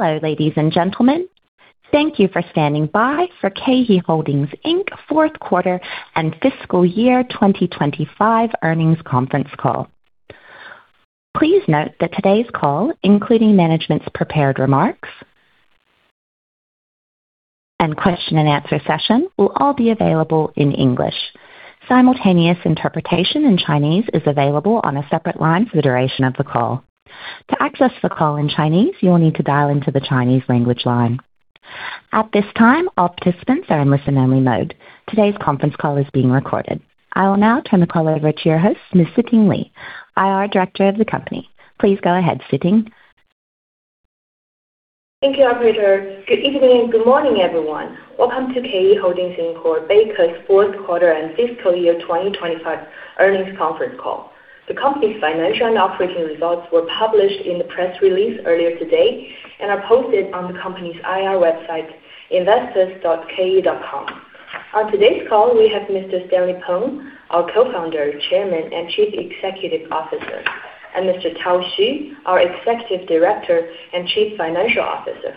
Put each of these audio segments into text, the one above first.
Hello, ladies and gentlemen. Thank you for standing by for KE Holdings Inc. Q4 and FY2025 earnings Conference Call. Please note that today's call, including management's prepared remarks, and question-and-answer session, will all be available in English. Simultaneous interpretation in Chinese is available on a separate line for the duration of the call. To access the call in Chinese, you will need to dial into the Chinese language line. At this time, all participants are in listen-only mode. Today's conference call is being recorded. I will now turn the call over to your host, Ms. Siting Li, IR Director of the company. Please go ahead, Siting. Thank you, operator. Good evening and good morning, everyone. Welcome to KE Holdings Inc., Beike's Q4 and FY2025 Earnings Conference Call. The company's financial and operating results were published in the press release earlier today, and are posted on the company's IR website, investors.ke.com. On today's call, we have Mr. Stanley Peng, our Co-founder, Chairman, and Chief Executive Officer, and Mr. Tao Xu, our Executive Director and Chief Financial Officer.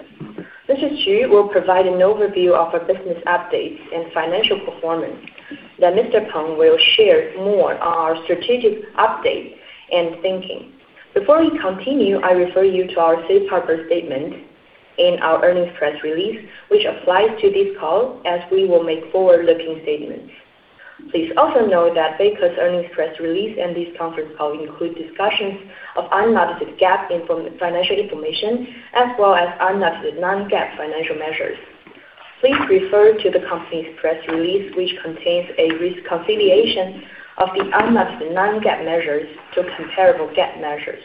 Mr. Xu will provide an overview of our business updates and financial performance. Then Mr. Peng will share more on our strategic update and thinking. Before we continue, I refer you to our safe harbor statement in our earnings press release, which applies to this call as we will make forward-looking statements. Please also note that Beike's earnings press release and this conference call include discussions of unaudited GAAP financial information, as well as unaudited non-GAAP financial measures. Please refer to the company's press release, which contains a reconciliation of the unaudited non-GAAP measures to comparable GAAP measures.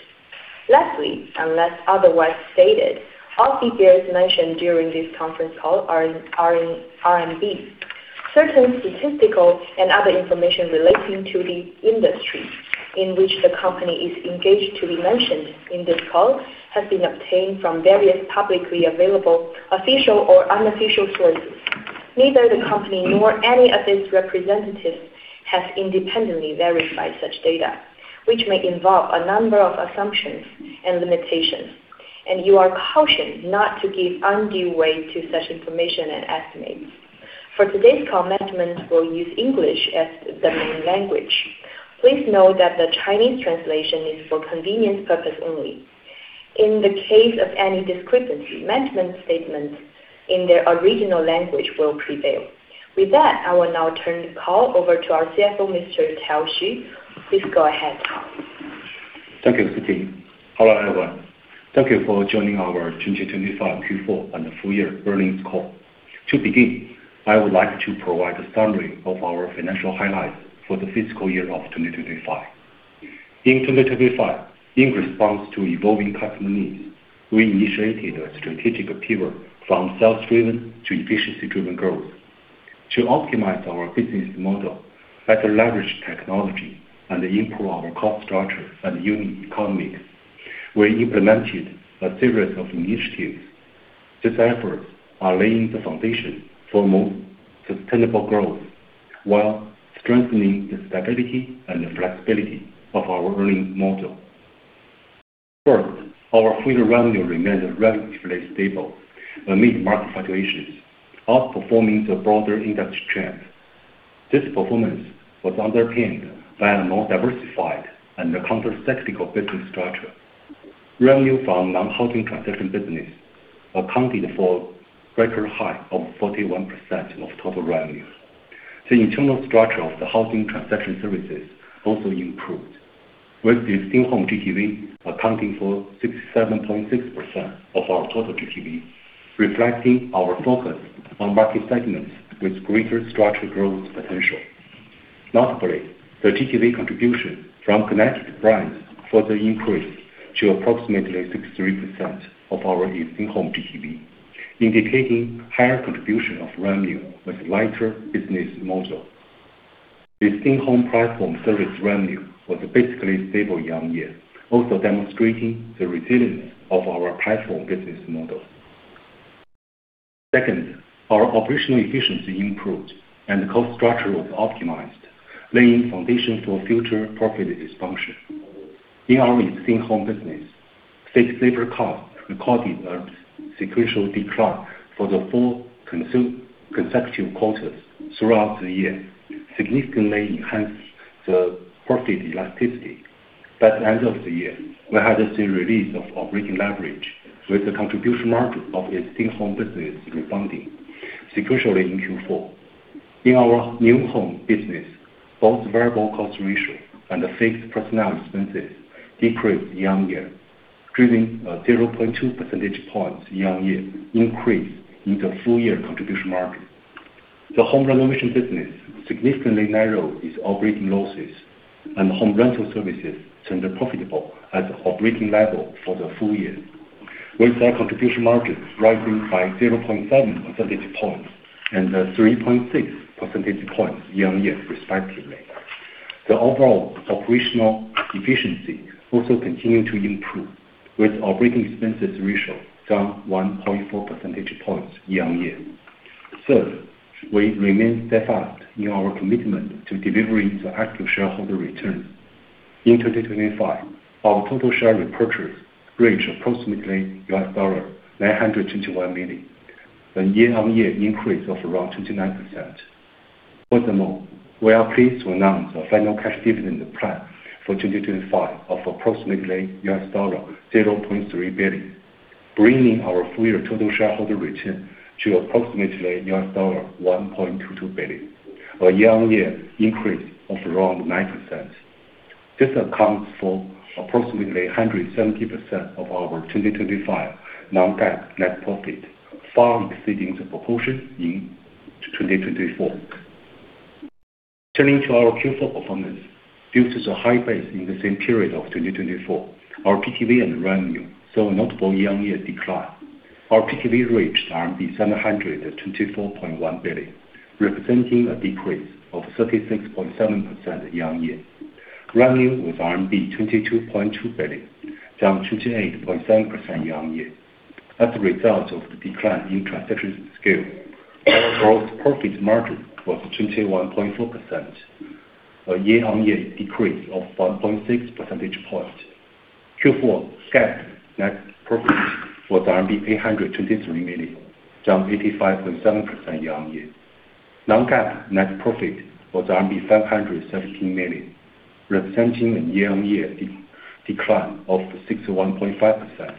Lastly, unless otherwise stated, all figures mentioned during this conference call are in RMB. Certain statistical and other information relating to the industry in which the company is engaged, to be mentioned in this call, has been obtained from various publicly available official or unofficial sources. Neither the company nor any of its representatives has independently verified such data, which may involve a number of assumptions and limitations, and you are cautioned not to give undue weight to such information and estimates. For today's call, management will use English as the main language. Please note that the Chinese translation is for convenience purposes only. In the case of any discrepancy, management statements in their original language will prevail. With that, I will now turn the call over to our CFO, Mr. Tao Xu. Please go ahead, Tao. Thank you, Siting. Hello, everyone. Thank you for joining our 2025 Q4 and Full Year Earnings Call. To begin, I would like to provide a summary of our financial highlights for the fiscal year of 2025. In 2025, in response to evolving customer needs, we initiated a strategic pivot from sales-driven to efficiency-driven growth. To optimize our business model, better leverage technology, and improve our cost structure and unit economics, we implemented a series of initiatives. These efforts are laying the foundation for more sustainable growth while strengthening the stability and the flexibility of our earnings model. First, our full year revenue remained relatively stable amid market fluctuations, outperforming the broader industry trends. This performance was underpinned by a more diversified and countercyclical business structure. Revenue from non-housing transaction business accounted for record high of 41% of total revenue. The internal structure of the housing transaction services also improved, with the existing home GTV accounting for 67.6% of our total GTV, reflecting our focus on market segments with greater structural growth potential. Notably, the GTV contribution from connected brands further increased to approximately 63% of our existing home GTV, indicating higher contribution of revenue with lighter business model. The existing home platform service revenue was basically stable year-on-year, also demonstrating the resilience of our platform business model. Second, our operational efficiency improved and cost structure was optimized, laying foundation for future profitability function. In our existing home business, fixed labor cost recorded a sequential decline for the four consecutive quarters throughout the year, significantly enhanced the profit elasticity. By the end of the year, we had the release of operating leverage with the contribution margin of existing home business rebounding sequentially in Q4. In our new home business, both variable cost ratio and fixed personnel expenses decreased year-on-year, driven a 0.2 percentage points year-on-year increase in the full year contribution margin. The home renovation business significantly narrowed its operating losses, and home rental services turned profitable at operating level for the full year, with their contribution margins rising by 0.7 percentage points and 3.6 percentage points year-on-year respectively. The overall operational efficiency also continued to improve, with operating expenses ratio down 1.4 percentage points year-on-year. Third, we remain steadfast in our commitment to delivering the active shareholder return. In 2025, our total share repurchase reached approximately RMB 921 million, a year-on-year increase of around 29%. Furthermore, we are pleased to announce a final cash dividend plan for 2025 of approximately $0.3 billion, bringing our full year total shareholder return to approximately RMB 1.22 billion, a year-on-year increase of around 9%. This accounts for approximately 170% of our 2025 non-GAAP net profit, far exceeding the proportion in 2024. Turning to our Q4 performance, due to the high base in the same period of 2024, our GTV and revenue saw a notable year-on-year decline. Our GTV reached RMB 724.1 billion, representing a decrease of 36.7% year-on-year. Revenue was RMB 22.2 billion, down 28.7% year-on-year. As a result of the decline in transaction scale, our gross profit margin was 21.4%, a year-on-year decrease of 1.6 percentage point. Q4 GAAP net profit was RMB 823 million, down 85.7% year-on-year. Non-GAAP net profit was 517 million, representing a year-on-year decline of 61.5%.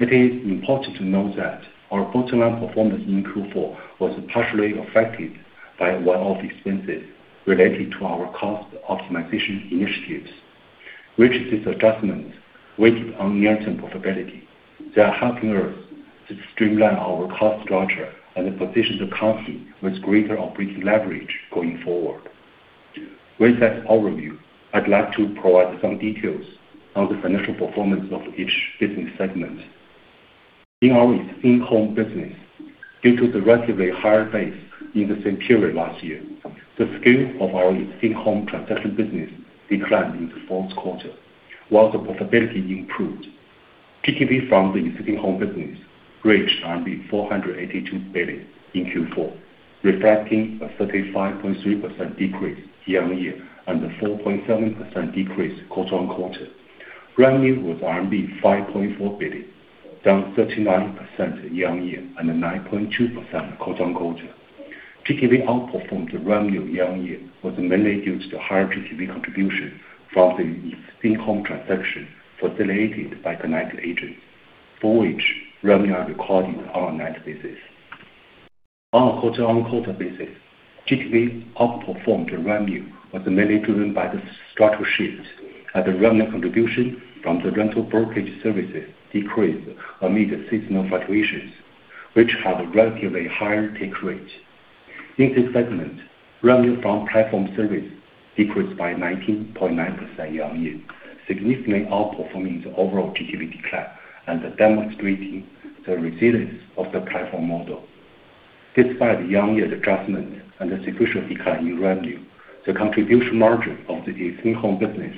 It is important to note that our bottom line performance in Q4 was partially affected by one-off expenses related to our cost optimization initiatives, which is adjustment weighted on near-term profitability. They are helping us to streamline our cost structure and position the company with greater operating leverage going forward. With that overview, I'd like to provide some details on the financial performance of each business segment. In our existing home business, due to the relatively higher base in the same period last year, the scale of our existing home transaction business declined in the Q4. While the profitability improved, GTV from the existing home business reached 482 billion in Q4, reflecting a 35.3% decrease year-on-year and a 4.7% decrease quarter-on-quarter. Revenue was RMB 5.4 billion, down 39% year-on-year and a 9.2% quarter-on-quarter. GTV outperformed the revenue year-on-year was mainly due to higher GTV contribution from the existing home transaction facilitated by connected agents, for which revenue are recorded on a net basis. On a quarter-on-quarter basis, GTV outperformed the revenue was mainly driven by the structural shift as the revenue contribution from the rental brokerage services decreased amid seasonal fluctuations, which have a relatively higher take rate. In this segment, revenue from platform service decreased by 19.9% year-on-year, significantly outperforming the overall GTV decline and demonstrating the resilience of the platform model. Despite the year-on-year adjustment and the sequential decline in revenue, the contribution margin of the existing home business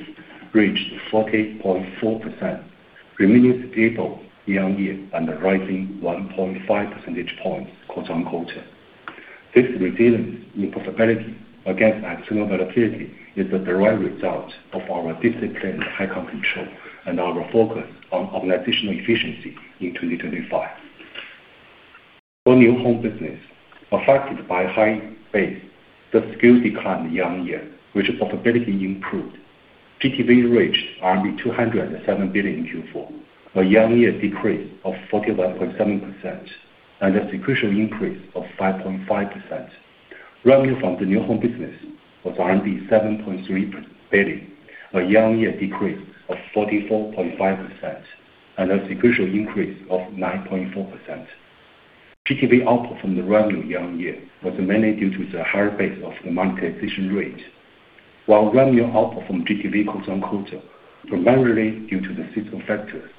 reached 40.4%, remaining stable year-on-year and rising 1.5 percentage points quarter-on-quarter. This resilience in profitability against external volatility is the direct result of our disciplined high control and our focus on organizational efficiency in 2025. For new home business, affected by high base, the scale declined year-on-year, with profitability improved. GTV reached 207 billion in Q4, a year-on-year decrease of 45.7% and a sequential increase of 5.5%. Revenue from the new home business was 7.3 billion, a year-on-year decrease of 44.5% and a sequential increase of 9.4%. GTV outperformed the revenue year-on-year was mainly due to the higher base of the monetization rate. While revenue outperformed GTV quarter-on-quarter were primarily due to the seasonal factors.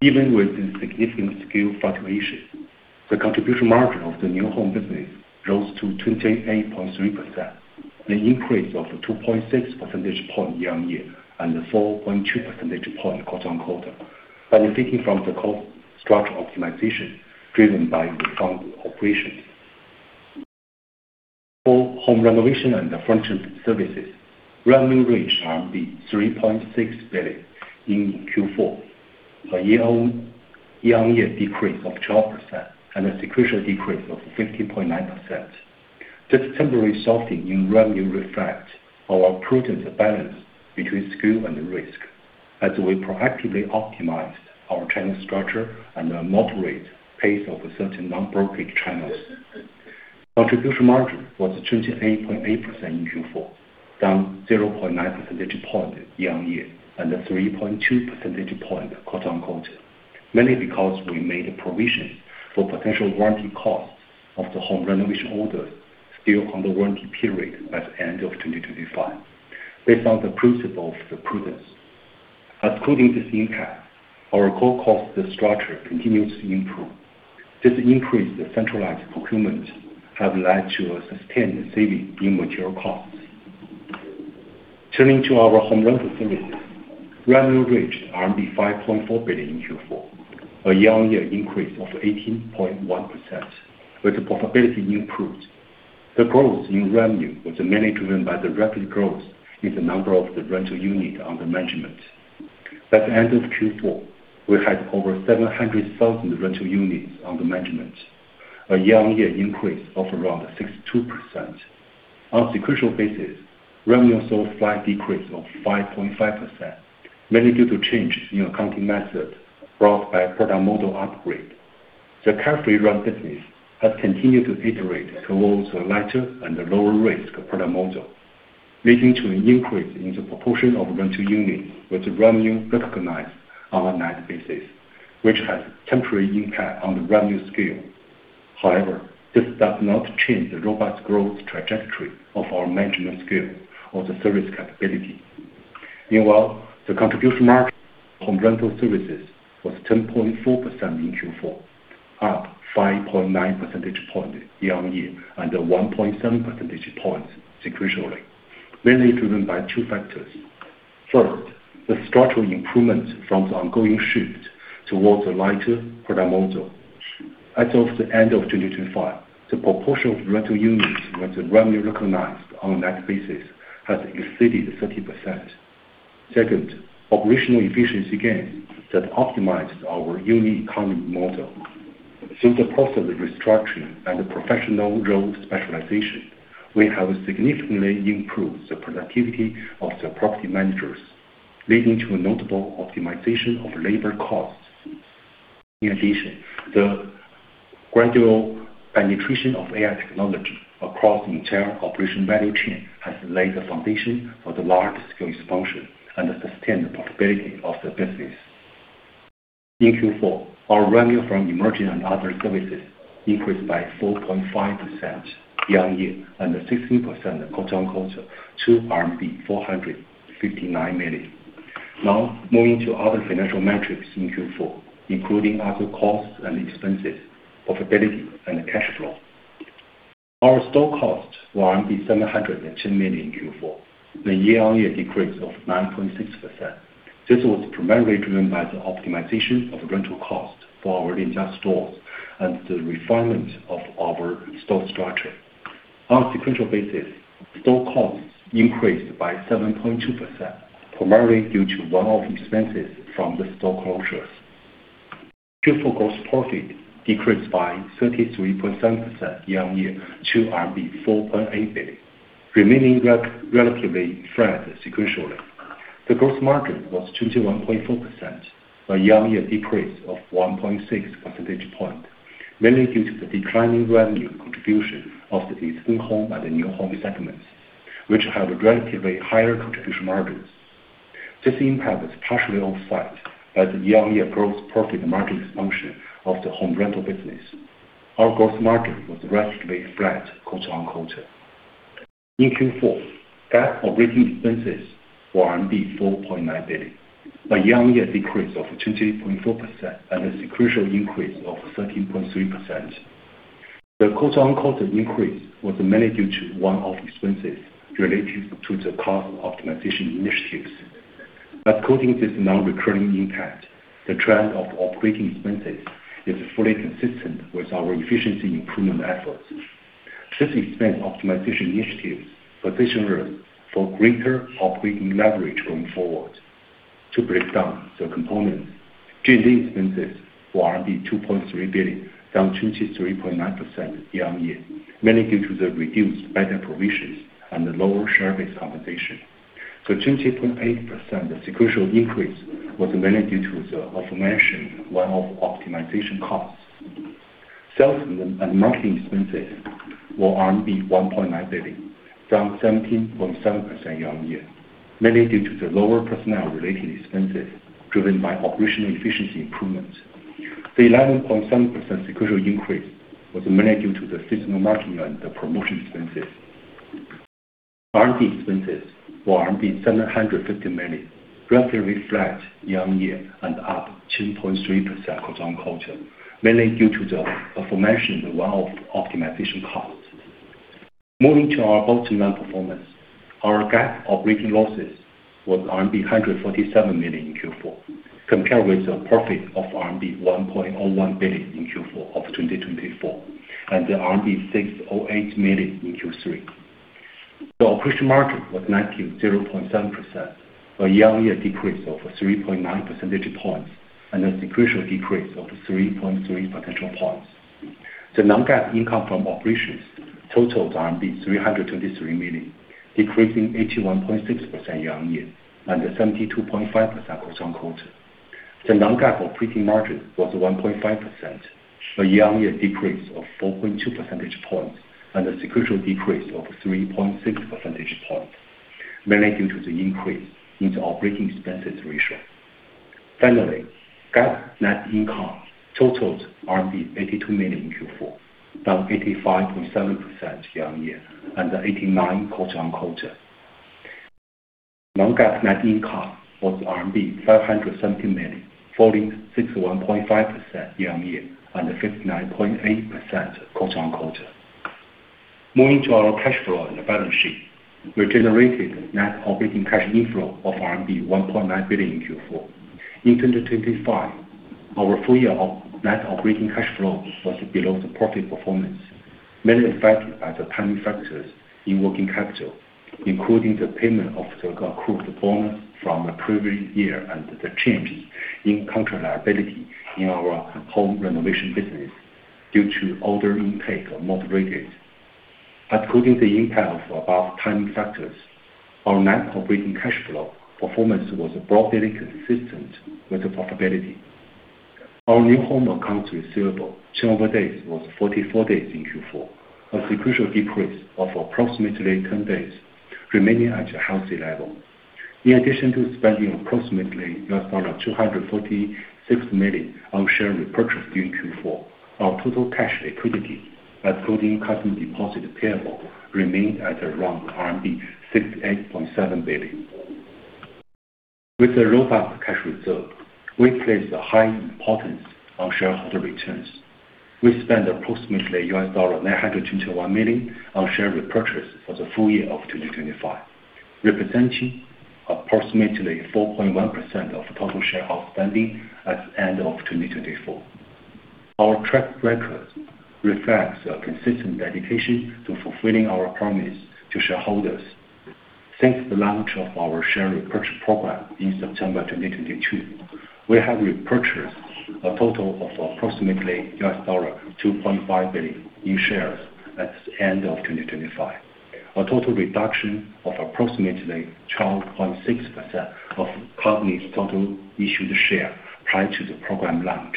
Even with the significant scale fluctuation, the contribution margin of the new home business rose to 28.3%, an increase of 2.6 percentage point year-on-year and a 4.2 percentage point quarter-on-quarter, benefiting from the cost structure optimization driven by the founder operations. For home renovation and the furniture services, revenue reached RMB 3.6 billion in Q4, a year-on-year decrease of 12% and a sequential decrease of 15.9%. This temporary softening in revenue reflects our prudent balance between scale and risk as we proactively optimized our channel structure at a moderate pace of certain non-brokerage channels. Contribution margin was 28.8% in Q4, down 0.9 percentage point year-on-year and 3.2 percentage point quarter-on-quarter. Mainly because we made a provision for potential warranty costs of the home renovation orders still under warranty period at the end of 2025, based on the principle of prudence. Excluding this impact, our core cost structure continues to improve. This increase in centralized procurement has led to a sustained savings in material costs. Turning to our home rental services, revenue reached RMB 5.4 billion in Q4, a year-on-year increase of 18.1%, with the profitability improved. The growth in revenue was mainly driven by the rapid growth in the number of rental units under management. By the end of Q4, we had over 700,000 rental units under management, a year-on-year increase of around 62%. On a sequential basis, revenue saw a slight decrease of 5.5%, mainly due to a change in accounting method brought by product model upgrade. The Carefree Rent business has continued to iterate towards a lighter and a lower risk product model, leading to an increase in the proportion of rental units with the revenue recognized on a net basis, which has a temporary impact on the revenue scale. However, this does not change the robust growth trajectory of our management scale or the service capability. Meanwhile, the contribution margin from rental services was 10.4% in Q4, up 5.9 percentage points year-on-year and 1.7 percentage points sequentially, mainly driven by two factors. First, the structural improvements from the ongoing shift towards a lighter product model. As of the end of 2005, the proportion of rental units with the revenue recognized on a net basis has exceeded 30%. Second, operational efficiency gains that optimized our unit economy model. Since the process of restructuring and the professional role specialization, we have significantly improved the productivity of the property managers, leading to a notable optimization of labor costs. In addition, the gradual penetration of AI technology across the entire operation value chain has laid the foundation for the large-scale expansion and the sustained profitability of the business. In Q4, our revenue from emerging and other services increased by 4.5% year-on-year and 60% quarter-on-quarter to RMB 459 million. Now, moving to other financial metrics in Q4, including other costs and expenses, profitability, and cash flow. Our store costs were 702 million in Q4, the year-on-year decrease of 9.6%. This was primarily driven by the optimization of rental costs for our Lianjia stores and the refinement of our store structure. On a sequential basis, store costs increased by 7.2%, primarily due to one-off expenses from the store closures. Q4 gross profit decreased by 33.7% year-on-year to 4.8 billion, remaining relatively flat sequentially. The gross margin was 21.4%, a year-on-year decrease of 1.6 percentage point, mainly due to the declining revenue contribution of the existing home and the new home segments, which have relatively higher contribution margins. This impact was partially offset by the year-on-year gross profit margin expansion of the home rental business. Our gross margin was relatively flat quarter-on-quarter. In Q4, GAAP operating expenses were RMB 4.9 billion, a year-on-year decrease of 20.4% and a sequential increase of 13.3%. The quarter-on-quarter increase was mainly due to one-off expenses related to the cost optimization initiatives. Excluding this non-recurring impact, the trend of operating expenses is fully consistent with our efficiency improvement efforts. These expense optimization initiatives position room for greater operating leverage going forward. To break down the component, G&A expenses were RMB 2.3 billion, down 23.9% year-over-year, mainly due to the reduced bad debt provisions and the lower share-based compensation. The 20.8% sequential increase was mainly due to the aforementioned one-off optimization costs. Sales and marketing expenses were RMB 1.9 billion, down 17.7% year-over-year, mainly due to the lower personnel-related expenses driven by operational efficiency improvements. The 11.7% sequential increase was mainly due to the seasonal marketing and the promotion expenses. R&D expenses were 750 million, roughly flat year-on-year and up 2.3% quarter-over-quarter, mainly due to the aforementioned one-off optimization costs. Moving to our bottom-line performance, our GAAP operating losses was RMB 147 million in Q4, compared with a profit of RMB 1.01 billion in Q4 of 2024 and RMB 608 million in Q3. The operating margin was negative 0.7%, a year-on-year decrease of 3.9 percentage points and a sequential decrease of 3.3 percentage points. The non-GAAP income from operations totaled RMB 323 million, decreasing 81.6% year-on-year and 72.5% quarter-on-quarter. The non-GAAP operating margin was 1.5%, a year-on-year decrease of 4.2 percentage points and a sequential decrease of 3.6 percentage points, mainly due to the increase in the operating expenses ratio. Finally, GAAP net income totaled RMB 82 million in Q4, down 85.7% year-on-year and 89% quarter-on-quarter. Non-GAAP net income was RMB 570 million, falling 61.5% year-on-year and 59.8% quarter-on-quarter. Moving to our cash flow and the balance sheet, we generated net operating cash inflow of RMB 1.9 billion in Q4. In 2025, net operating cash flow was below the profit performance, mainly affected by the timing factors in working capital, including the payment of the accrued bonus from the previous year and the change in contract liability in our home renovation business due to order intake was moderated. Excluding the impact of the above timing factors, our net operating cash flow performance was broadly consistent with the profitability. Our new home accounts receivable turnover days was 44 days in Q4, a sequential decrease of approximately 10 days remaining at a healthy level. In addition to spending approximately $246 million on share repurchase during Q4, our total cash liquidity, excluding customer deposit payable, remained at around RMB 68.7 billion. With a robust cash reserve, we place a high importance on shareholder returns. We spent approximately RMB 921 million on share repurchase for the full year of 2025, representing approximately 4.1% of total share outstanding at the end of 2024. Our track record reflects a consistent dedication to fulfilling our promise to shareholders. Since the launch of our share repurchase program in September 2022, we have repurchased a total of approximately RMB 2.5 billion in shares at the end of 2025. A total reduction of approximately 12.6% of company's total issued shares prior to the program launch.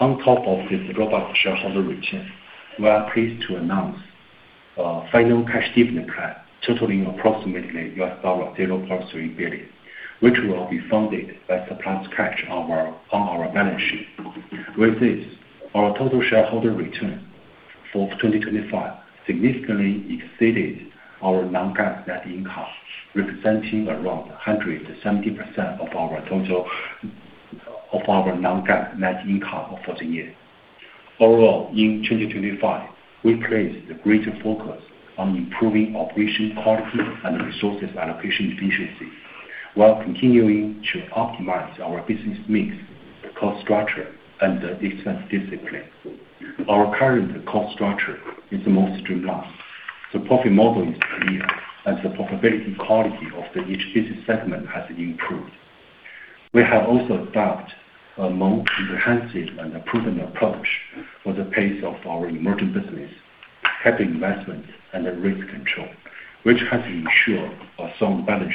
On top of this robust shareholder return, we are pleased to announce a final cash dividend plan totaling approximately RMB 0.3 billion, which will be funded by surplus cash on our balance sheet. With this, our total shareholder return for 2025 significantly exceeded our non-GAAP net income, representing around 170% of our non-GAAP net income for the year. Overall, in 2025, we placed a greater focus on improving operation quality and resources allocation efficiency, while continuing to optimize our business mix, cost structure, and expense discipline. Our current cost structure is more streamlined. The profit model is clear, and the profitability quality of each business segment has improved. We have also adopted a more comprehensive and proven approach for the pace of our emerging business, capital investment, and risk control, which has ensured a sound balance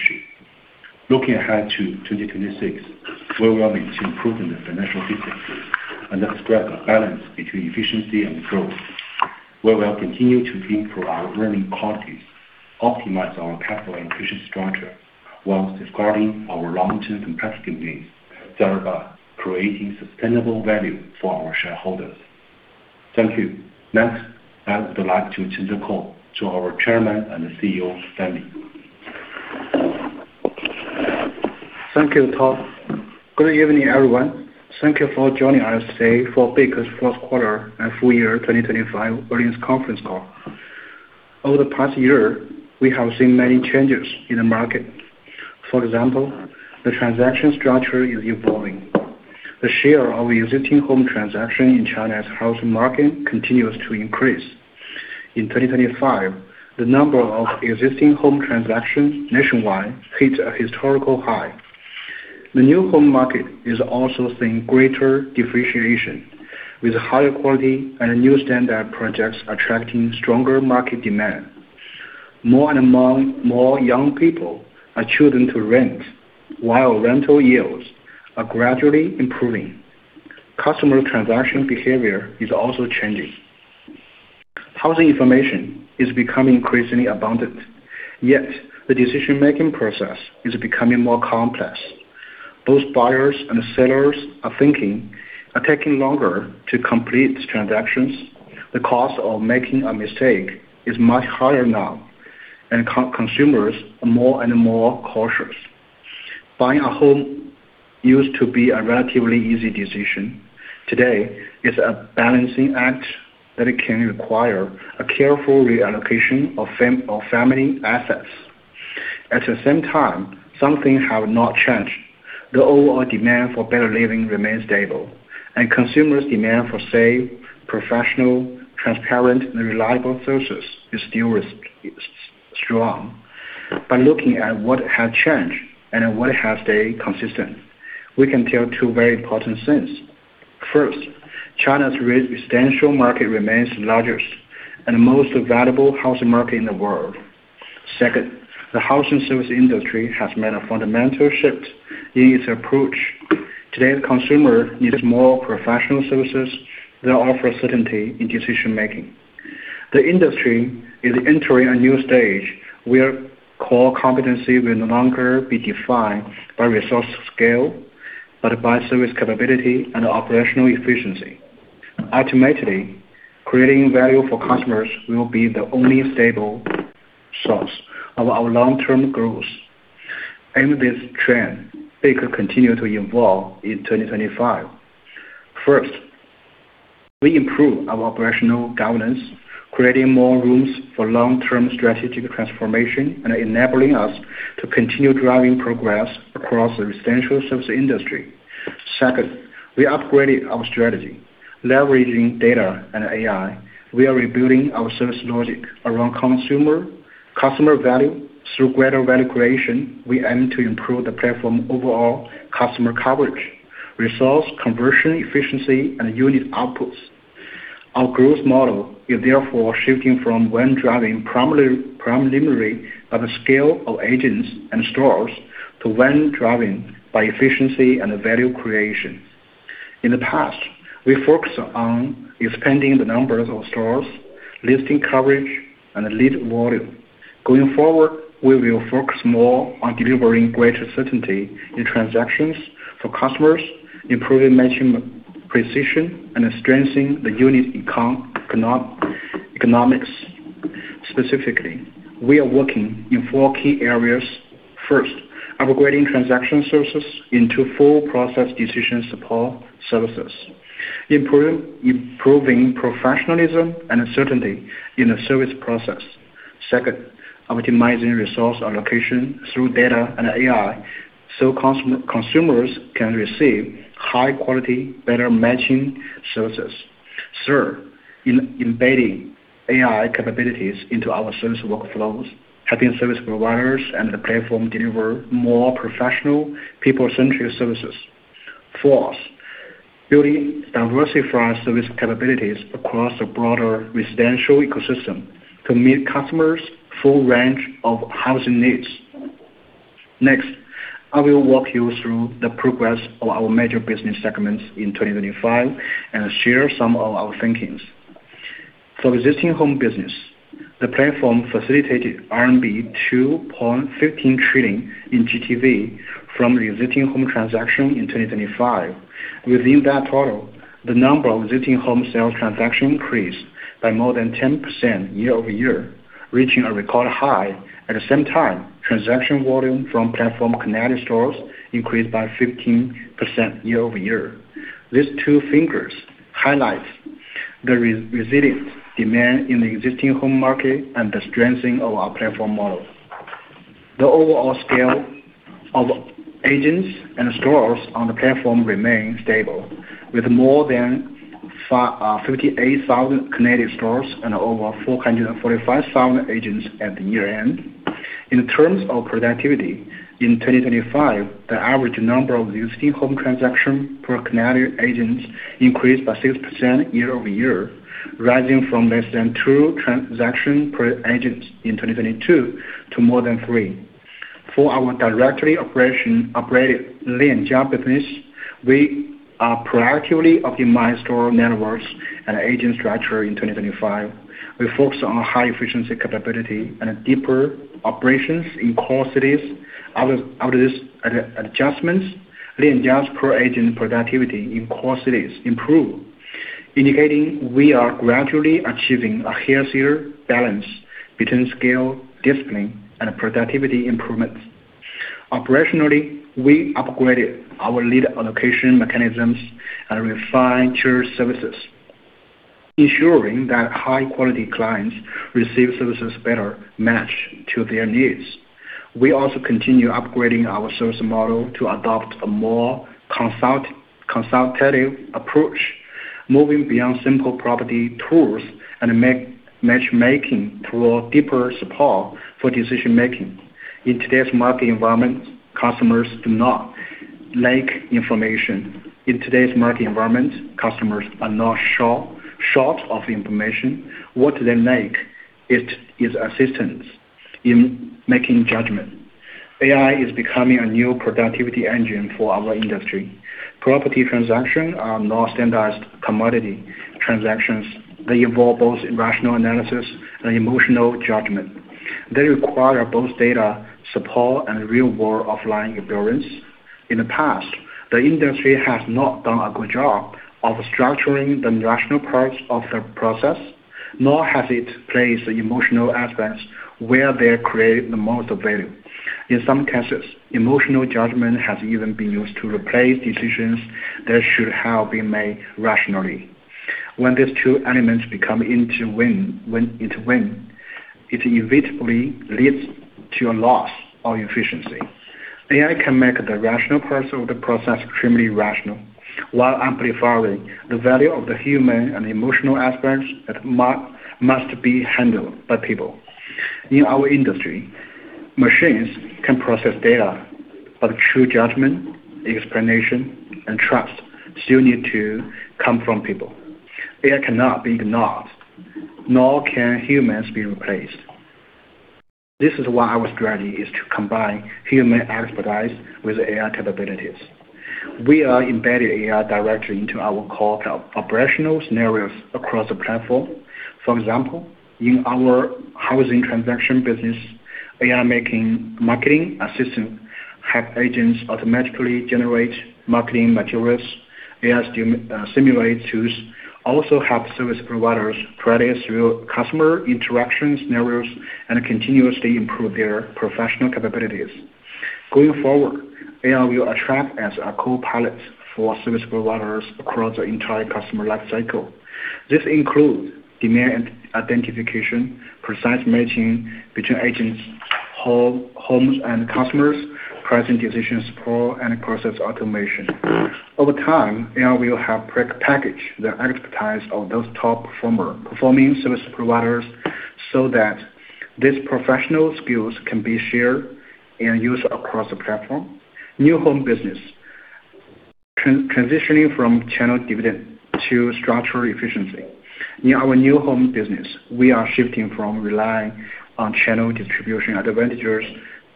sheet. Looking ahead to 2026, we are willing to improve in the financial disciplines and strike a balance between efficiency and growth. We will continue to improve our earnings quality, optimize our capital and efficiency structure, while delivering our long-term competitive advantages, thereby creating sustainable value for our shareholders. Thank you. Next, I would like to turn the call to our Chairman and CEO, Stanley. Thank you, Tao. Good evening, everyone. Thank you for joining us today for Beike's Q4 and FY2025 Earnings Conference Call. Over the past year, we have seen many changes in the market. For example, the transaction structure is evolving. The share of existing home transaction in China's housing market continues to increase. In 2025, the number of existing home transactions nationwide hit a historical high. The new home market is also seeing greater differentiation, with higher quality and new standard projects attracting stronger market demand. More and more young people are choosing to rent, while rental yields are gradually improving. Customer transaction behavior is also changing. Housing information is becoming increasingly abundant, yet the decision-making process is becoming more complex. Both buyers and sellers are thinking, taking longer to complete transactions. The cost of making a mistake is much higher now, and consumers are more and more cautious. Buying a home used to be a relatively easy decision. Today, it's a balancing act that can require a careful reallocation of family assets. At the same time, some things have not changed. The overall demand for better living remains stable, and consumers' demand for safe, professional, transparent, and reliable services is still strong. By looking at what has changed and what has stayed consistent, we can tell two very important things. First, China's residential market remains the largest and most valuable housing market in the world. Second, the housing service industry has made a fundamental shift in its approach. Today's consumer needs more professional services that offer certainty in decision-making. The industry is entering a new stage where core competency will no longer be defined by resource scale, but by service capability and operational efficiency. Ultimately, creating value for customers will be the only stable source of our long-term growth. In this trend, Beike continued to evolve in 2025. First, we improve our operational governance, creating more room for long-term strategic transformation and enabling us to continue driving progress across the residential service industry. Second, we upgraded our strategy. Leveraging data and AI, we are rebuilding our service logic around customer value. Through greater value creation, we aim to improve the platform overall customer coverage, resource conversion efficiency, and unit outputs. Our growth model is therefore shifting from one driven primarily by the scale of agents and stores to one driven by efficiency and value creation. In the past, we focused on expanding the numbers of stores, listing coverage, and lead volume. Going forward, we will focus more on delivering greater certainty in transactions for customers, improving matching precision, and strengthening the unit economics. Specifically, we are working in four key areas. First, upgrading transaction services into full process decision support services, improving professionalism and certainty in the service process. Second, optimizing resource allocation through data and AI, so consumers can receive high quality, better matching services. Third, embedding AI capabilities into our service workflows, helping service providers and the platform deliver more professional, people-centric services. Fourth, building diversified service capabilities across a broader residential ecosystem to meet customers' full range of housing needs. Next, I will walk you through the progress of our major business segments in 2025 and share some of our thinking. For existing home business, the platform facilitated RMB 2.15 trillion in GTV from the existing home transaction in 2025. Within that total, the number of existing home sales transaction increased by more than 10% year-over-year, reaching a record high. At the same time, transaction volume from platform connected stores increased by 15% year-over-year. These two figures highlights the resilient demand in the existing home market and the strengthening of our platform model. The overall scale of agents and stores on the platform remain stable, with more than 58,000 connected stores and over 445,000 agents at the year-end. In terms of productivity, in 2025, the average number of existing home transactions per connected agents increased by 6% year-over-year, rising from less than two transactions per agent in 2022 to more than three. For our directly operated Lianjia business, we proactively optimized store networks and agent structure in 2025. We focused on high efficiency capability and deeper operations in core cities. Out of these adjustments, Lianjia's per agent productivity in core cities improved, indicating we are gradually achieving a healthier balance between scale, discipline, and productivity improvements. Operationally, we upgraded our lead allocation mechanisms and refined tier services, ensuring that high-quality clients receive services better matched to their needs. We also continue upgrading our service model to adopt a more consultative approach, moving beyond simple property tools and matchmaking through a deeper support for decision-making. In today's market environment, customers do not lack information. What they lack is assistance in making judgment. AI is becoming a new productivity engine for our industry. Property transactions are not standardized commodity transactions. They involve both rational analysis and emotional judgment. They require both data support and real-world offline experience. In the past, the industry has not done a good job of structuring the rational parts of the process, nor has it placed the emotional aspects where they create the most value. In some cases, emotional judgment has even been used to replace decisions that should have been made rationally. When these two elements become intertwined, it inevitably leads to a loss of efficiency. AI can make the rational parts of the process extremely rational while amplifying the value of the human and emotional aspects that must be handled by people. In our industry, machines can process data, but true judgment, explanation, and trust still need to come from people. AI cannot be ignored, nor can humans be replaced. This is why our strategy is to combine human expertise with AI capabilities. We are embedding AI directly into our core operational scenarios across the platform. For example, in our housing transaction business, AI marketing assistant help agents automatically generate marketing materials. AI simulation tools also help service providers practice real customer interaction scenarios and continuously improve their professional capabilities. Going forward, AI will act as a co-pilot for service providers across the entire customer life cycle. This includes demand identification, precise matching between agents, homes and customers, pricing decision support, and process automation. Over time, AI will help prepackage the expertise of those top performing service providers so that these professional skills can be shared and used across the platform. New home business. Transitioning from channel-driven to structural efficiency. In our new home business, we are shifting from relying on channel distribution advantages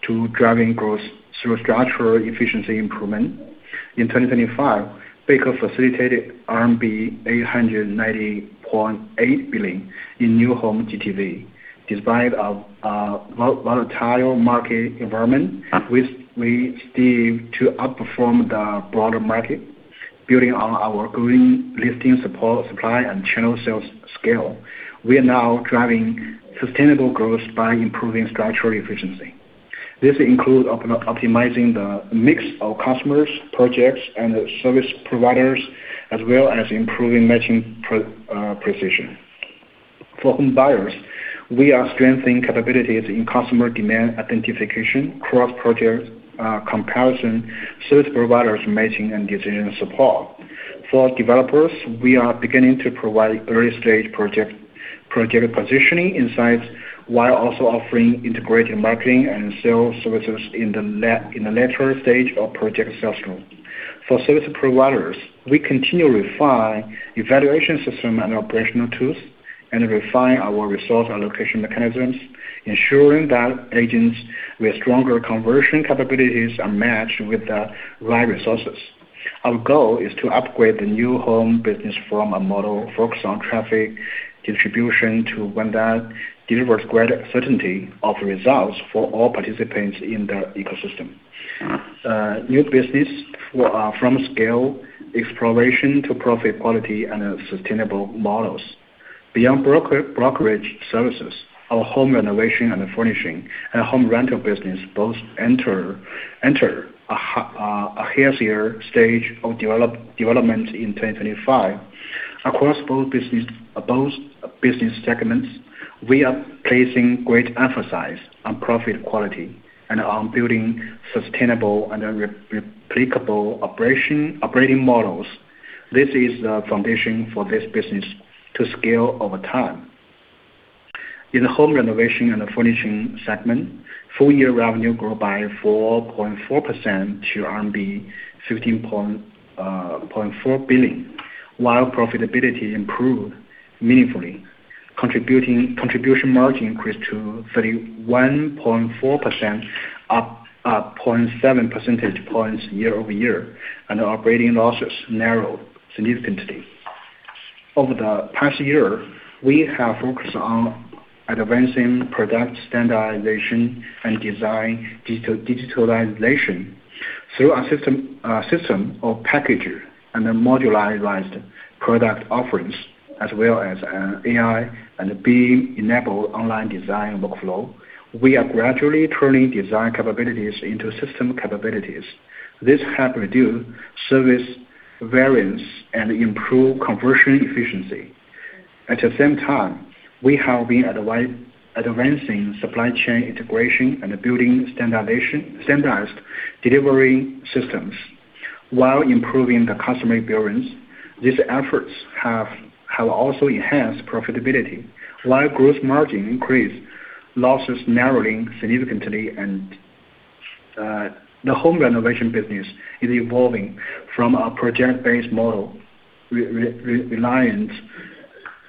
to driving growth through structural efficiency improvement. In 2025, Beike facilitated RMB 890.8 billion in new home GTV. Despite a volatile market environment, we continue to outperform the broader market. Building on our growing listing support, supply, and channel sales scale, we are now driving sustainable growth by improving structural efficiency. This includes optimizing the mix of customers, projects, and service providers, as well as improving matching precision. For home buyers, we are strengthening capabilities in customer demand identification, cross-project comparison, service providers matching, and decision support. For developers, we are beginning to provide early-stage project positioning insights while also offering integrated marketing and sales services in the latter stage of project sales growth. For service providers, we continue refine evaluation system and operational tools, and refine our resource allocation mechanisms, ensuring that agents with stronger conversion capabilities are matched with the right resources. Our goal is to upgrade the new home business from a model focused on traffic distribution to one that delivers greater certainty of results for all participants in the ecosystem. New business from scale exploration to profit quality and sustainable models. Beyond brokerage services, our home renovation and furnishing and home rental business both enter a healthier stage of development in 2025. Across both business segments, we are placing great emphasis on profit quality and on building sustainable and replicable operating models. This is the foundation for this business to scale over time. In the home renovation and furnishing segment, full-year revenue grew by 4.4% to RMB 15.4 billion, while profitability improved meaningfully. Contribution margin increased to 31.4%, up 0.7 percentage points year-over-year, and operating losses narrowed significantly. Over the past year, we have focused on advancing product standardization and design digitalization through a system of packages and a modularized product offerings, as well as AI and BIM-enabled online design workflow. We are gradually turning design capabilities into system capabilities. This helps reduce service variance and improve conversion efficiency. At the same time, we have been advancing supply chain integration and building standardization, standardized delivery systems while improving the customer experience. These efforts have also enhanced profitability while gross margin increased, losses narrowing significantly and the home renovation business is evolving from a project-based model relying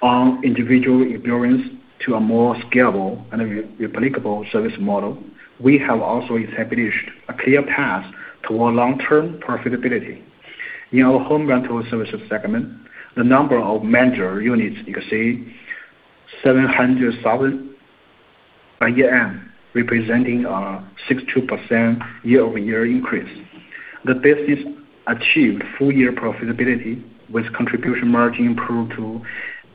on individual experience to a more scalable and replicable service model. We have also established a clear path toward long-term profitability. In our home rental services segment, the number of managed units exceeded 700,000 by year-end, representing a 62% year-over-year increase. The business achieved full-year profitability, with contribution margin improved to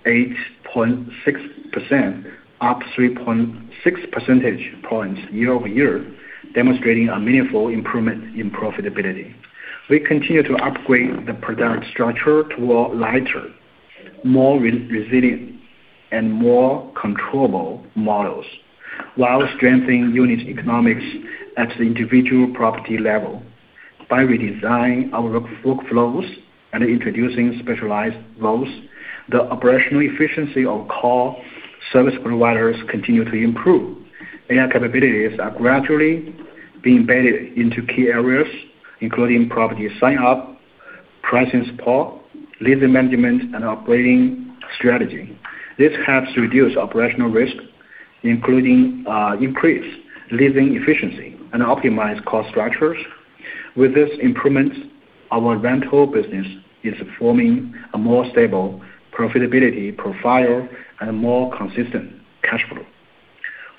8.6%, up 3.6 percentage points year-over-year, demonstrating a meaningful improvement in profitability. We continue to upgrade the product structure toward lighter, more resilient, and more controllable models while strengthening unit economics at the individual property level. By redesigning our workflows and introducing specialized roles, the operational efficiency of core service providers continue to improve. AI capabilities are gradually being embedded into key areas, including property sign up, pricing support, leasing management, and operating strategy. This helps reduce operational risk, including, increase leasing efficiency and optimize cost structures. With this improvement, our rental business is forming a more stable profitability profile and a more consistent cash flow.